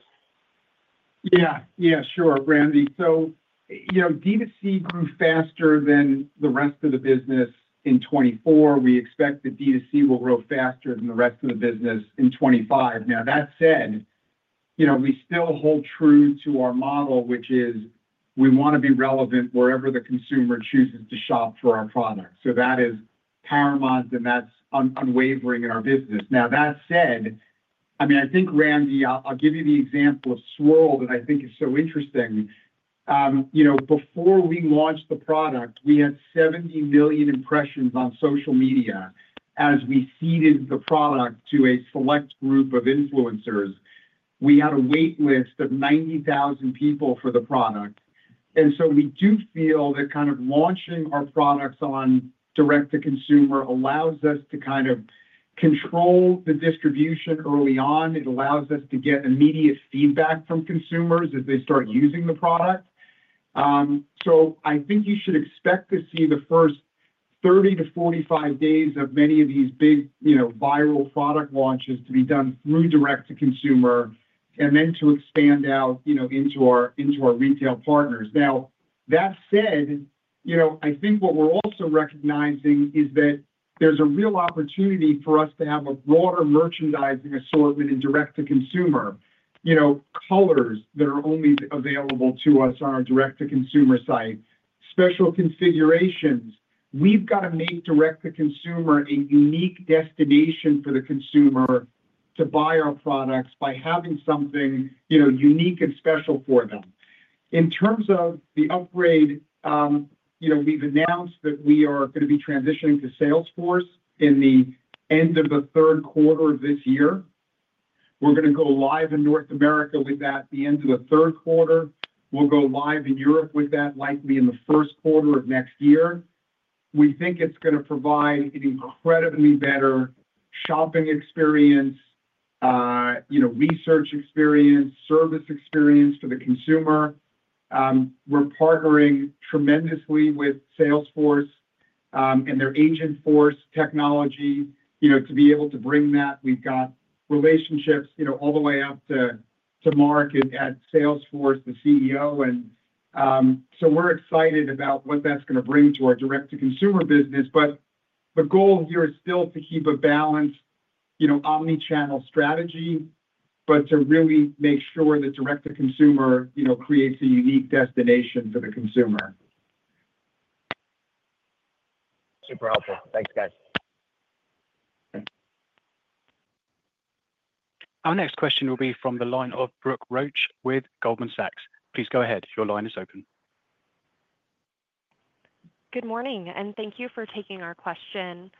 Yeah, yeah, sure, Randy. So, you know, DTC grew faster than the rest of the business in 2024. We expect that DTC will grow faster than the rest of the business in 2025. Now, that said, you know, we still hold true to our model, which is we want to be relevant wherever the consumer chooses to shop for our products. So that is paramount, and that's unwavering in our business. Now, that said, I mean, I think, Randy, I'll give you the example of Swirl that I think is so interesting. You know, before we launched the product, we had 70 million impressions on social media as we seeded the product to a select group of influencers. We had a waitlist of 90,000 people for the product. And so we do feel that kind of launching our products on direct-to-consumer allows us to kind of control the distribution early on. It allows us to get immediate feedback from consumers as they start using the product. So I think you should expect to see the first 30-45 days of many of these big, you know, viral product launches to be done through direct-to-consumer and then to expand out, you know, into our retail partners. Now, that said, you know, I think what we're also recognizing is that there's a real opportunity for us to have a broader merchandising assortment in direct-to-consumer. You know, colors that are only available to us on our direct-to-consumer site, special configurations. We've got to make direct-to-consumer a unique destination for the consumer to buy our products by having something, you know, unique and special for them. In terms of the upgrade, you know, we've announced that we are going to be transitioning to Salesforce in the end of the third quarter of this year. We're going to go live in North America with that at the end of the third quarter. We'll go live in Europe with that likely in the first quarter of next year. We think it's going to provide an incredibly better shopping experience, you know, research experience, service experience for the consumer. We're partnering tremendously with Salesforce and their Agentforce technology, you know, to be able to bring that. We've got relationships, you know, all the way up to Mark at Salesforce, the CEO. And so we're excited about what that's going to bring to our direct-to-consumer business. But the goal here is still to keep a balanced, you know, omnichannel strategy, but to really make sure that direct-to-consumer, you know, creates a unique destination for the consumer. Super helpful. Thanks, guys. Our next question will be from the line of Brooke Roach with Goldman Sachs. Please go ahead. Your line is open. Good morning, and thank you for taking our question.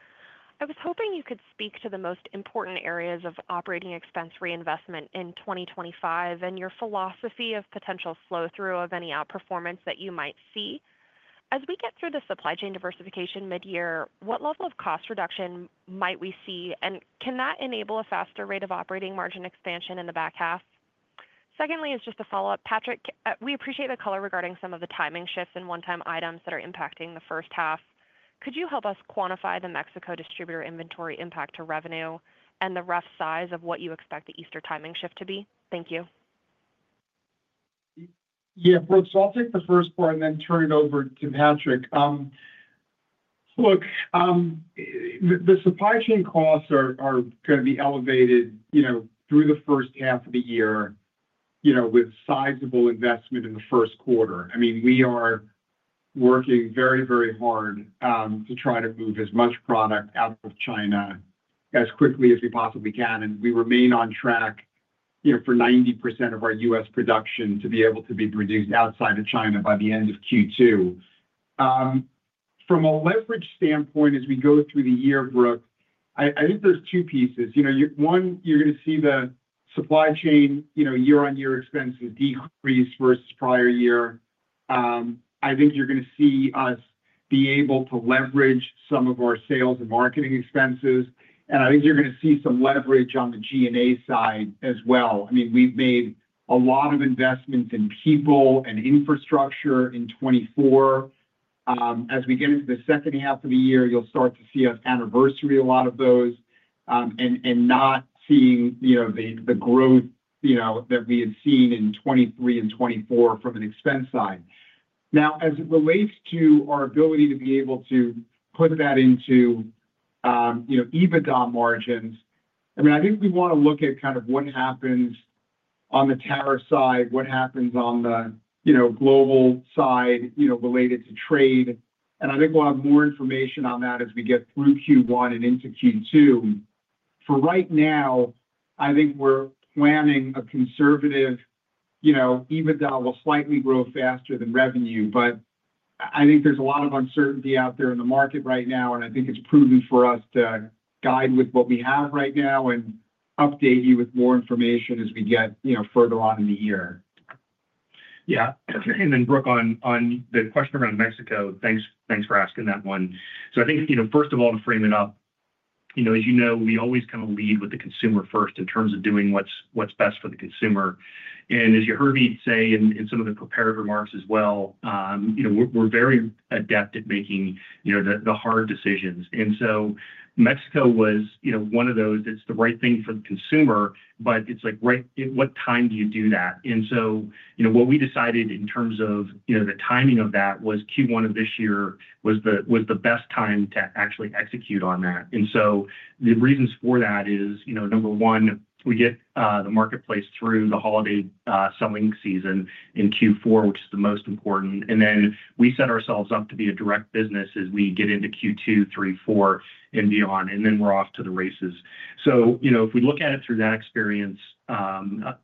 I was hoping you could speak to the most important areas of operating expense reinvestment in 2025 and your philosophy of potential flow-through of any outperformance that you might see. As we get through the supply chain diversification mid-year, what level of cost reduction might we see, and can that enable a faster rate of operating margin expansion in the back half? Secondly, as just a follow-up, Patrick, we appreciate the color regarding some of the timing shifts and one-time items that are impacting the first half. Could you help us quantify the Mexico distributor inventory impact to revenue and the rough size of what you expect the Easter timing shift to be? Thank you. Yeah, Brooke, so I'll take the first part and then turn it over to Patrick. Look, the supply chain costs are going to be elevated, you know, through the first half of the year, you know, with sizable investment in the first quarter. I mean, we are working very, very hard to try to move as much product out of China as quickly as we possibly can. And we remain on track, you know, for 90% of our U.S. production to be able to be produced outside of China by the end of Q2. From a leverage standpoint, as we go through the year, Brooke, I think there's two pieces. You know, one, you're going to see the supply chain, you know, year-on-year expenses decrease versus prior year. I think you're going to see us be able to leverage some of our sales and marketing expenses. And I think you're going to see some leverage on the G&A side as well. I mean, we've made a lot of investments in people and infrastructure in 2024. As we get into the second half of the year, you'll start to see us anniversary a lot of those and not seeing, you know, the growth, you know, that we had seen in 2023 and 2024 from an expense side. Now, as it relates to our ability to be able to put that into, you know, EBITDA margins, I mean, I think we want to look at kind of what happens on the tariff side, what happens on the, you know, global side, you know, related to trade. And I think we'll have more information on that as we get through Q1 and into Q2. For right now, I think we're planning a conservative, you know, EBITDA will slightly grow faster than revenue. But I think there's a lot of uncertainty out there in the market right now, and I think it's prudent for us to guide with what we have right now and update you with more information as we get, you know, further on in the year. Yeah. And then, Brooke, on the question around Mexico, thanks for asking that one. So I think, you know, first of all, to frame it up, you know, as you know, we always kind of lead with the consumer first in terms of doing what's best for the consumer. And as you heard me say in some of the prepared remarks as well, you know, we're very adept at making, you know, the hard decisions. And so Mexico was, you know, one of those that's the right thing for the consumer, but it's like, right, what time do you do that? And so, you know, what we decided in terms of, you know, the timing of that was Q1 of this year was the best time to actually execute on that, and so the reasons for that is, you know, number one, we get the marketplace through the holiday selling season in Q4, which is the most important, and then we set ourselves up to be a direct business as we get into Q2, Q3, Q4, and beyond, and then we're off to the races, so, you know, if we look at it through that experience,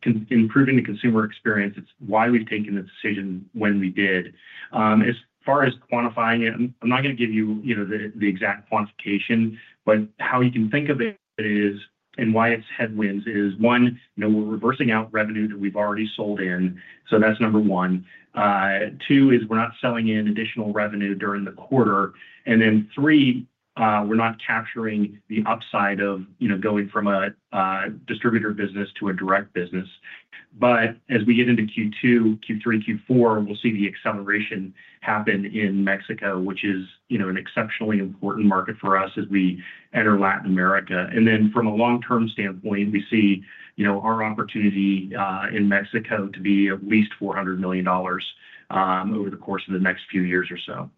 improving the consumer experience, it's why we've taken the decision when we did. As far as quantifying it, I'm not going to give you, you know, the exact quantification, but how you can think of it is, and why it's headwinds is, one, you know, we're reversing out revenue that we've already sold in. So that's number one. Two is we're not selling in additional revenue during the quarter. And then three, we're not capturing the upside of, you know, going from a distributor business to a direct business. But as we get into Q2, Q3, Q4, we'll see the acceleration happen in Mexico, which is, you know, an exceptionally important market for us as we enter Latin America. And then from a long-term standpoint, we see, you know, our opportunity in Mexico to be at least $400 million over the course of the next few years or so.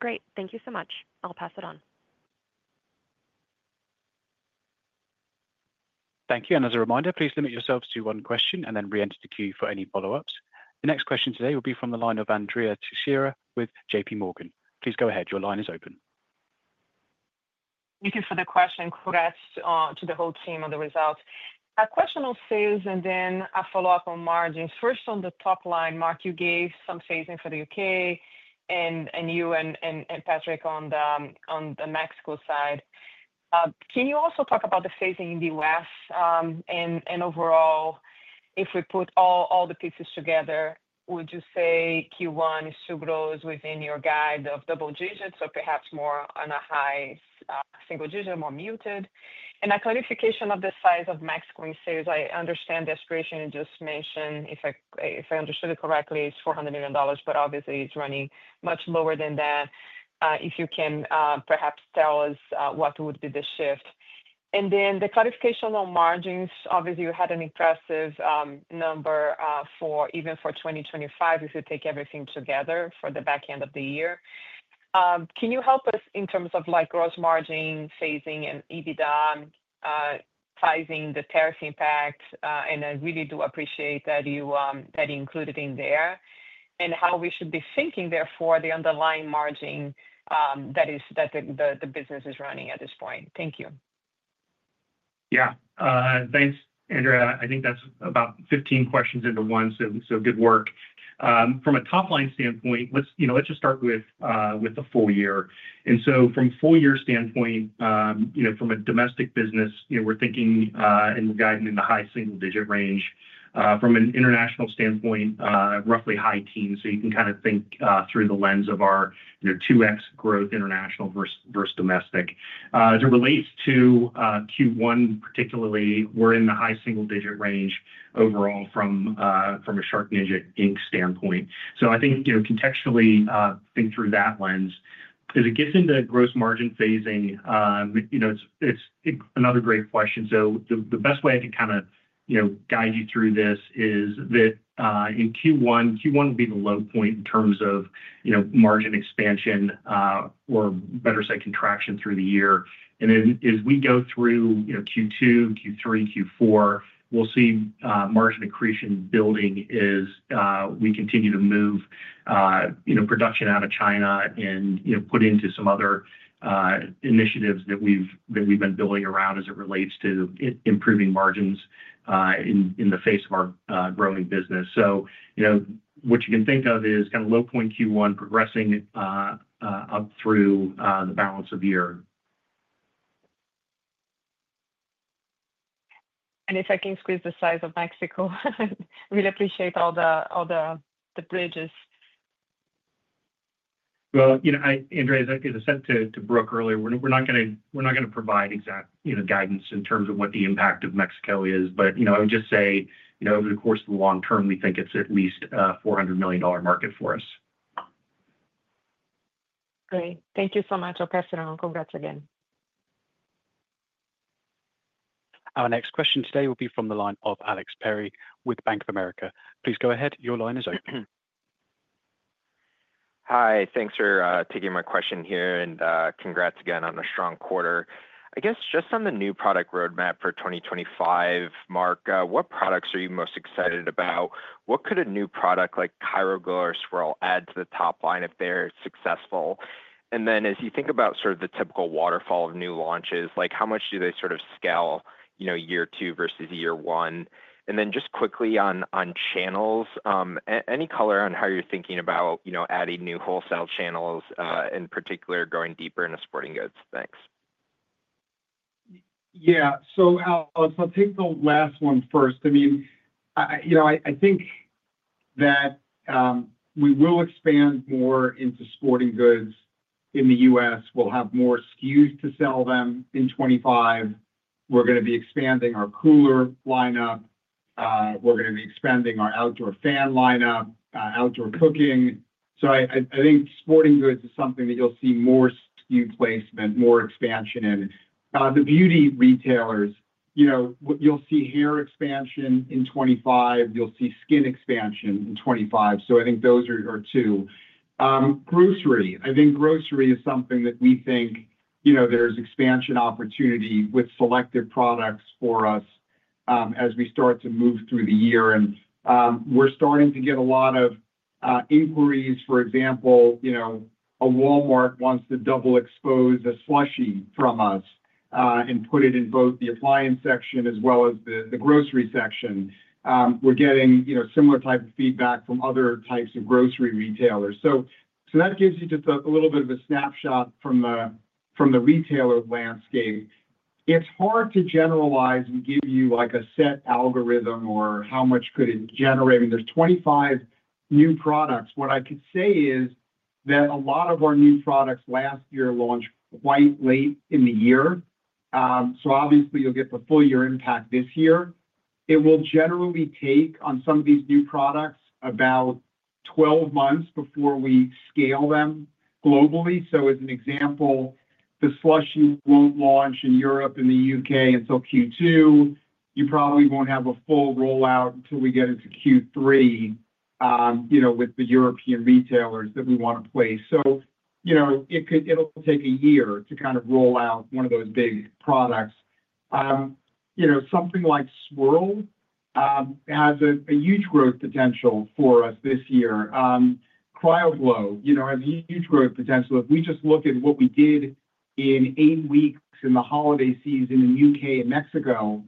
Great. Thank you so much. I'll pass it on. Thank you. And as a reminder, please limit yourselves to one question and then re-enter the queue for any follow-ups. The next question today will be from the line of Andrea Teixeira with JP Morgan. Please go ahead. Your line is open. Thank you for the question. Congrats to the whole team on the results. A question on sales and then a follow-up on margins. First, on the top line, Mark, you gave some phasing for the U.K. and you and Patrick on the Mexico side. Can you also talk about the phasing in the U.S.? And overall, if we put all the pieces together, would you say Q1 is to grow within your guide of double digits or perhaps more on a high single digit, more muted? And a clarification of the size of Mexico in sales, I understand the aspiration you just mentioned, if I understood it correctly, is $400 million, but obviously it's running much lower than that. If you can perhaps tell us what would be the shift. And then the clarification on margins, obviously you had an impressive number for even for 2025 if you take everything together for the back end of the year. Can you help us in terms of like gross margin, phasing, and EBITDA, sizing, the tariff impact? And I really do appreciate that you included in there and how we should be thinking there for the underlying margin that the business is running at this point. Thank you. Yeah. Thanks, Andrea. I think that's about 15 questions into one. So good work. From a top line standpoint, let's just start with the full year. And so from a full year standpoint, you know, from a domestic business, you know, we're thinking and we're guiding in the high single digit range. From an international standpoint, roughly high teens. You can kind of think through the lens of our 2x growth international versus domestic. As it relates to Q1 particularly, we're in the high single digit range overall from a SharkNinja Inc. standpoint. I think, you know, contextually think through that lens. As it gets into gross margin phasing, you know, it's another great question. The best way I can kind of, you know, guide you through this is that in Q1, Q1 will be the low point in terms of, you know, margin expansion or better said contraction through the year. Then as we go through, you know, Q2, Q3, Q4, we'll see margin accretion building as we continue to move, you know, production out of China and, you know, put into some other initiatives that we've been building around as it relates to improving margins in the face of our growing business. You know, what you can think of is kind of a low point in Q1 progressing up through the balance of the year. If I can squeeze in the size of Mexico, I really appreciate all the questions. You know, Andrea, as I said to Brooke earlier, we're not going to provide exact, you know, guidance in terms of what the impact of Mexico is. I would just say, you know, over the course of the long term, we think it's at least a $400 million market for us. Great. Thank you so much. I'll pass it on. Congrats again. Our next question today will be from the line of Alex Perry with Bank of America. Please go ahead. Your line is open. Hi. Thanks for taking my question here and congrats again on a strong quarter. I guess just on the new product roadmap for 2025, Mark, what products are you most excited about? What could a new product like CryoGlow or Swirl add to the top line if they're successful? And then as you think about sort of the typical waterfall of new launches, like how much do they sort of scale, you know, year two versus year one? And then just quickly on channels, any color on how you're thinking about, you know, adding new wholesale channels in particular, going deeper into sporting goods? Thanks. Yeah. So I'll take the last one first. I mean, you know, I think that we will expand more into sporting goods in the U.S. We'll have more SKUs to sell them in 2025. We're going to be expanding our cooler lineup. We're going to be expanding our outdoor fan lineup, outdoor cooking. So I think sporting goods is something that you'll see more SKU placement, more expansion in. The beauty retailers, you know, you'll see hair expansion in 2025. You'll see skin expansion in 2025. So I think those are two. Grocery, I think grocery is something that we think, you know, there's expansion opportunity with selective products for us as we start to move through the year. And we're starting to get a lot of inquiries. For example, you know, a Walmart wants to double expose a SLUSHi from us and put it in both the appliance section as well as the grocery section. We're getting, you know, similar type of feedback from other types of grocery retailers. So that gives you just a little bit of a snapshot from the retailer landscape. It's hard to generalize and give you like a set algorithm or how much could it generate. I mean, there's 25 new products. What I could say is that a lot of our new products last year launched quite late in the year. So obviously you'll get the full year impact this year. It will generally take on some of these new products about 12 months before we scale them globally. So as an example, the SLUSHi won't launch in Europe and the U.K. until Q2. You probably won't have a full rollout until we get into Q3, you know, with the European retailers that we want to place. So, you know, it'll take a year to kind of roll out one of those big products. You know, something like Swirl has a huge growth potential for us this year. CryoGlow, you know, has a huge growth potential. If we just look at what we did in eight weeks in the holiday season in the U.K. and Mexico,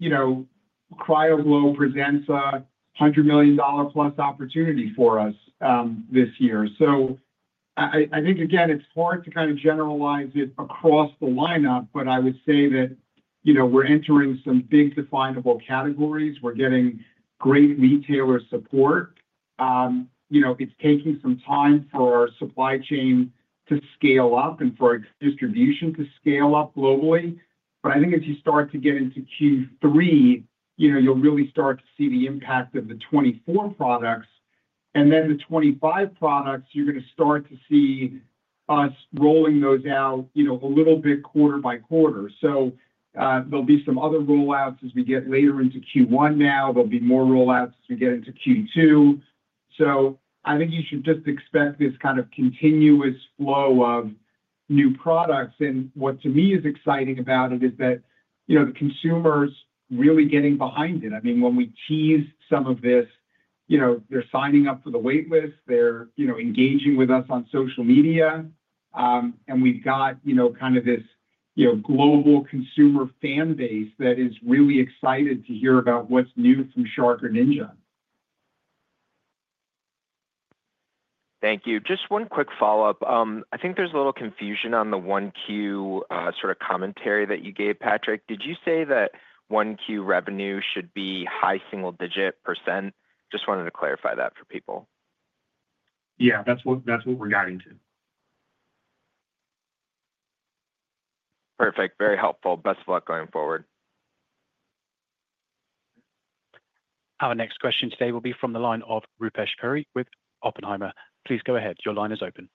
you know, CryoGlow presents a $100 million+ opportunity for us this year. So I think, again, it's hard to kind of generalize it across the lineup, but I would say that, you know, we're entering some big definable categories. We're getting great retailer support. You know, it's taking some time for our supply chain to scale up and for our distribution to scale up globally. But I think as you start to get into Q3, you know, you'll really start to see the impact of the 2024 products. And then the 2025 products, you're going to start to see us rolling those out, you know, a little bit quarter by quarter. So there'll be some other rollouts as we get later into Q1 now. There'll be more rollouts as we get into Q2, so I think you should just expect this kind of continuous flow of new products, and what to me is exciting about it is that, you know, the consumer's really getting behind it. I mean, when we teased some of this, you know, they're signing up for the waitlist. They're, you know, engaging with us on social media. And we've got, you know, kind of this, you know, global consumer fan base that is really excited to hear about what's new from Shark or Ninja. Thank you. Just one quick follow-up. I think there's a little confusion on the 1Q sort of commentary that you gave, Patrick. Did you say that 1Q revenue should be high single-digit%? Just wanted to clarify that for people. Yeah, that's what we're guiding to. Perfect. Very helpful. Best of luck going forward. Our next question today will be from the line of Rupesh Parikh with Oppenheimer. Please go ahead. Your line is open.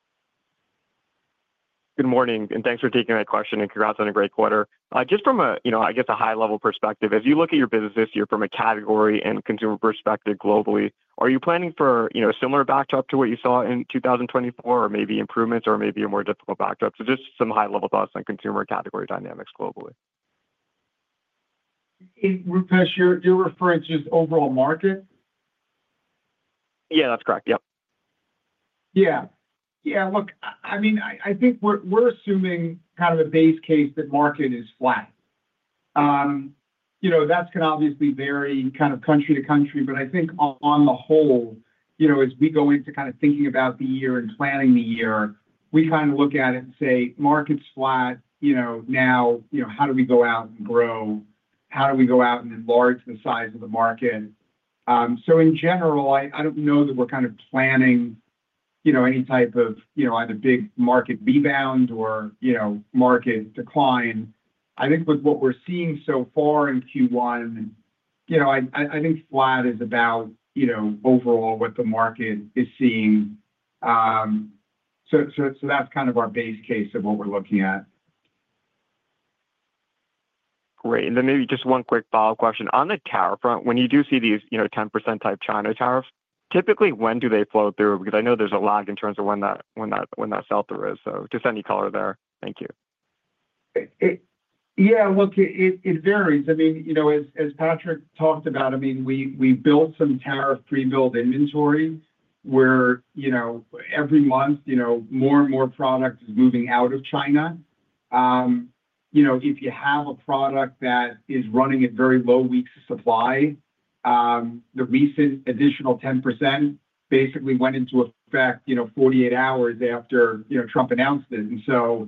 Good morning and thanks for taking my question and congrats on a great quarter. Just from a, you know, I guess a high-level perspective, as you look at your business this year from a category and consumer perspective globally, are you planning for, you know, a similar backdrop to what you saw in 2024 or maybe improvements or maybe a more difficult backdrop? So just some high-level thoughts on consumer category dynamics globally. Rupesh, you're referring to just overall market? Yeah, that's correct. Yep. Yeah. Yeah. Look, I mean, I think we're assuming kind of a base case that market is flat. You know, that's going to obviously vary kind of country to country, but I think on the whole, you know, as we go into kind of thinking about the year and planning the year, we kind of look at it and say, market's flat, you know, now, you know, how do we go out and grow? How do we go out and enlarge the size of the market? So in general, I don't know that we're kind of planning, you know, any type of, you know, either big market rebound or, you know, market decline. I think with what we're seeing so far in Q1, you know, I think flat is about, you know, overall what the market is seeing. So that's kind of our base case of what we're looking at. Great. And then maybe just one quick follow-up question. On the tariff front, when you do see these, you know, 10% type China tariffs, typically when do they flow through? Because I know there's a lag in terms of when that sell-through is. So just any color there. Thank you. Yeah. Look, it varies. I mean, you know, as Patrick talked about, I mean, we built some tariff pre-build inventory where, you know, every month, you know, more and more product is moving out of China. You know, if you have a product that is running at very low weeks of supply, the recent additional 10% basically went into effect, you know, 48 hours after, you know, Trump announced it. And so,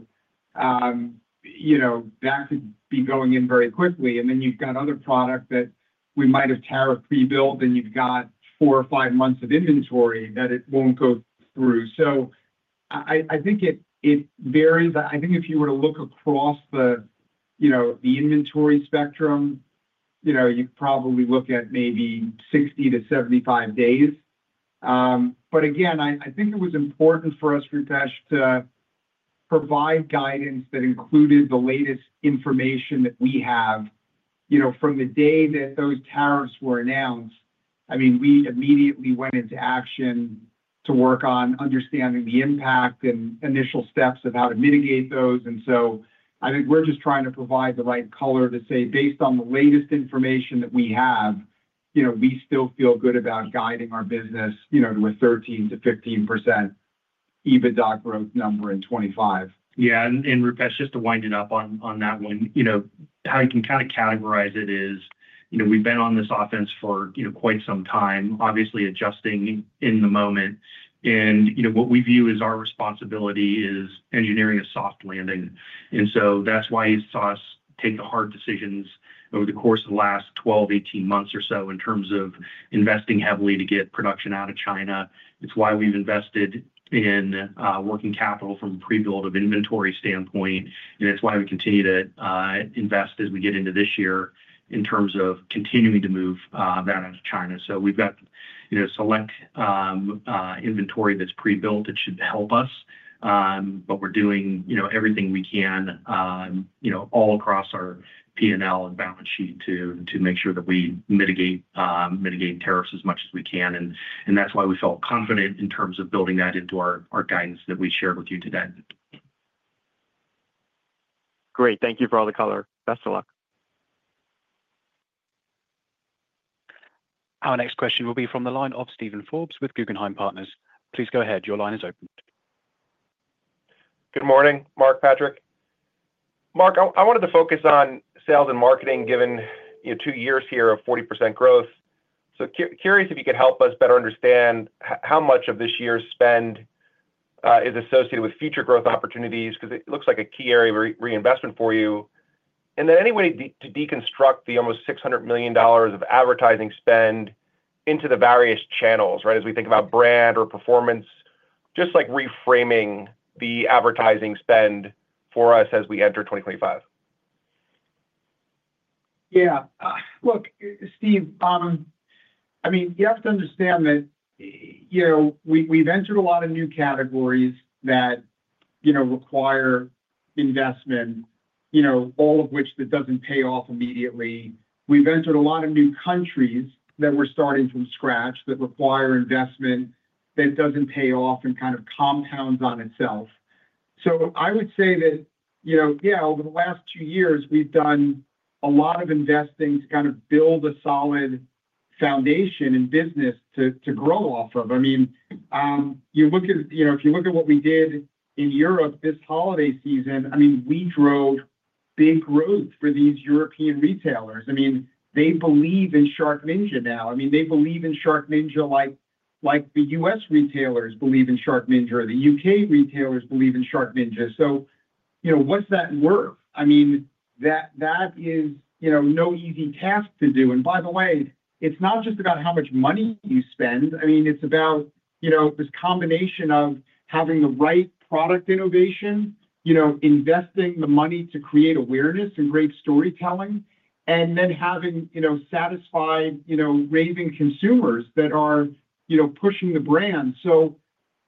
you know, that could be going in very quickly. And then you've got other product that we might have tariff pre-build and you've got four or five months of inventory that it won't go through. So I think it varies. I think if you were to look across the, you know, the inventory spectrum, you know, you'd probably look at maybe 60 to 75 days. But again, I think it was important for us, Rupesh, to provide guidance that included the latest information that we have, you know, from the day that those tariffs were announced. I mean, we immediately went into action to work on understanding the impact and initial steps of how to mitigate those. And so I think we're just trying to provide the right color to say, based on the latest information that we have, you know, we still feel good about guiding our business, you know, to a 13%-15% EBITDA growth number in 2025. Yeah. And Rupesh, just to wind it up on that one, you know, how you can kind of categorize it is, you know, we've been on this offense for, you know, quite some time, obviously adjusting in the moment. And, you know, what we view as our responsibility is engineering a soft landing. And so that's why you saw us take the hard decisions over the course of the last 12-18 months or so in terms of investing heavily to get production out of China. It's why we've invested in working capital from a pre-build of inventory standpoint. And it's why we continue to invest as we get into this year in terms of continuing to move that out of China. So we've got, you know, select inventory that's pre-built that should help us. But we're doing, you know, everything we can, you know, all across our P&L and balance sheet to make sure that we mitigate tariffs as much as we can. And that's why we felt confident in terms of building that into our guidance that we shared with you today. Great. Thank you for all the color. Best of luck. Our next question will be from the line of Steven Forbes with Guggenheim Partners. Please go ahead. Your line is open. Good morning, Mark, Patrick. Mark, I wanted to focus on sales and marketing given, you know, two years here of 40% growth. So curious if you could help us better understand how much of this year's spend is associated with future growth opportunities because it looks like a key area of reinvestment for you. And then any way to deconstruct the almost $600 million of advertising spend into the various channels, right, as we think about brand or performance, just like reframing the advertising spend for us as we enter 2025. Yeah. Look, Steve, I mean, you have to understand that, you know, we've entered a lot of new categories that, you know, require investment, you know, all of which that doesn't pay off immediately. We've entered a lot of new countries that we're starting from scratch that require investment that doesn't pay off and kind of compounds on itself. So I would say that, you know, yeah, over the last two years, we've done a lot of investing to kind of build a solid foundation in business to grow off of. I mean, you look at, you know, if you look at what we did in Europe this holiday season, I mean, we drove big growth for these European retailers. I mean, they believe in SharkNinja now. I mean, they believe in SharkNinja like the U.S. retailers believe in SharkNinja or the U.K. retailers believe in SharkNinja. So, you know, what's that worth? I mean, that is, you know, no easy task to do. And by the way, it's not just about how much money you spend. I mean, it's about, you know, this combination of having the right product innovation, you know, investing the money to create awareness and great storytelling, and then having, you know, satisfied, you know, raving consumers that are, you know, pushing the brand. So,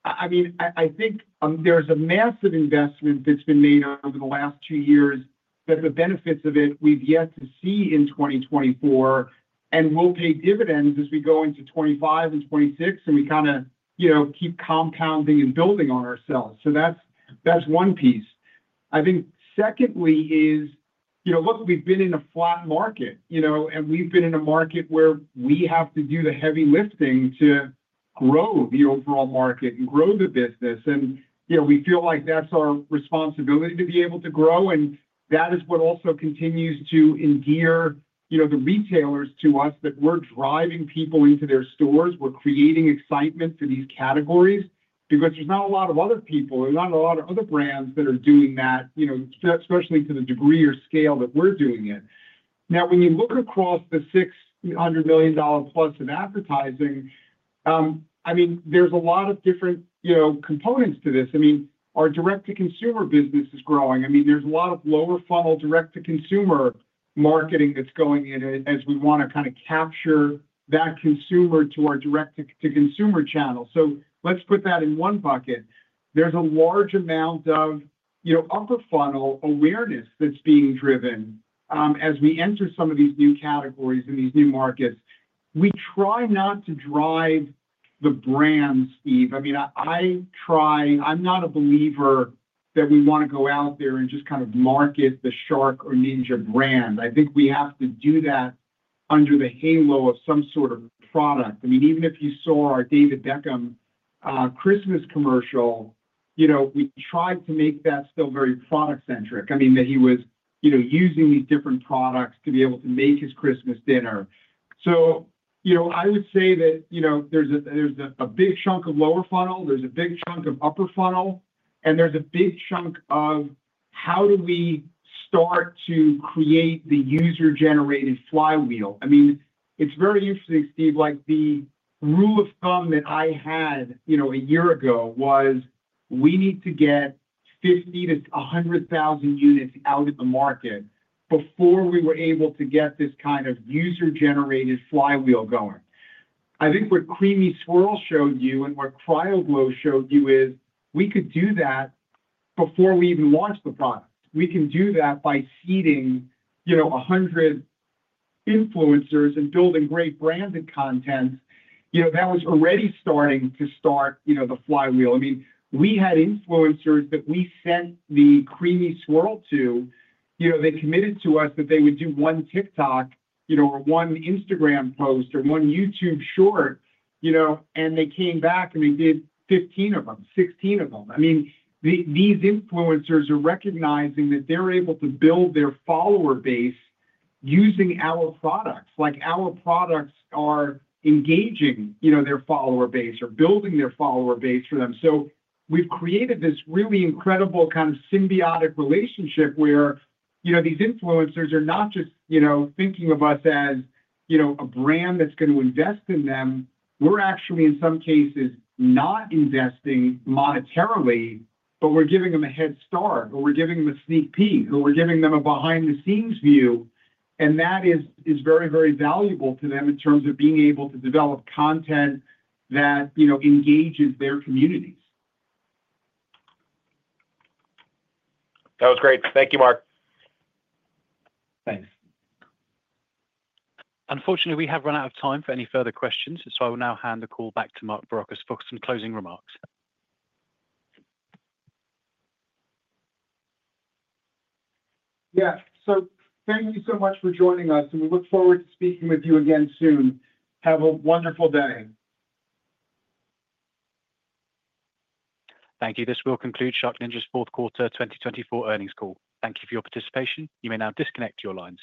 I mean, I think there's a massive investment that's been made over the last two years that the benefits of it we've yet to see in 2024 and will pay dividends as we go into 2025 and 2026 and we kind of, you know, keep compounding and building on ourselves. So that's one piece. I think secondly is, you know, look, we've been in a flat market, you know, and we've been in a market where we have to do the heavy lifting to grow the overall market and grow the business. And, you know, we feel like that's our responsibility to be able to grow. And that is what also continues to endear, you know, the retailers to us that we're driving people into their stores. We're creating excitement for these categories because there's not a lot of other people, there's not a lot of other brands that are doing that, you know, especially to the degree or scale that we're doing it. Now, when you look across the $600 million+ of advertising, I mean, there's a lot of different, you know, components to this. I mean, our direct-to-consumer business is growing. I mean, there's a lot of lower funnel direct-to-consumer marketing that's going in as we want to kind of capture that consumer to our direct-to-consumer channel. So let's put that in one bucket. There's a large amount of, you know, upper funnel awareness that's being driven as we enter some of these new categories in these new markets. We try not to drive the brand, Steve. I mean, I try. I'm not a believer that we want to go out there and just kind of market the Shark or Ninja brand. I think we have to do that under the halo of some sort of product. I mean, even if you saw our David Beckham Christmas commercial, you know, we tried to make that still very product-centric. I mean, that he was, you know, using these different products to be able to make his Christmas dinner. So, you know, I would say that, you know, there's a big chunk of lower funnel, there's a big chunk of upper funnel, and there's a big chunk of how do we start to create the user-generated flywheel. I mean, it's very interesting, Steve, like the rule of thumb that I had, you know, a year ago was we need to get 50-100,000 units out of the market before we were able to get this kind of user-generated flywheel going. I think what CREAMi Swirl showed you and what CryoGlow showed you is we could do that before we even launched the product. We can do that by seeding, you know, 100 influencers and building great branded content, you know, that was already starting to start, you know, the flywheel. I mean, we had influencers that we sent the CREAMi Swirl to, you know, they committed to us that they would do one TikTok, you know, or one Instagram post or one YouTube short, you know, and they came back and they did 15 of them, 16 of them. I mean, these influencers are recognizing that they're able to build their follower base using our products. Like our products are engaging, you know, their follower base or building their follower base for them. So we've created this really incredible kind of symbiotic relationship where, you know, these influencers are not just, you know, thinking of us as, you know, a brand that's going to invest in them. We're actually, in some cases, not investing monetarily, but we're giving them a head start or we're giving them a sneak peek or we're giving them a behind-the-scenes view. And that is very, very valuable to them in terms of being able to develop content that, you know, engages their communities. That was great. Thank you, Mark. Thanks. Unfortunately, we have run out of time for any further questions. So I will now hand the call back to Mark Barrocas for some closing remarks. Yeah. So thank you so much for joining us and we look forward to speaking with you again soon. Have a wonderful day. Thank you. This will conclude SharkNinja's Fourth Quarter 2024 Earnings Call. Thank you for your participation. You may now disconnect your lines.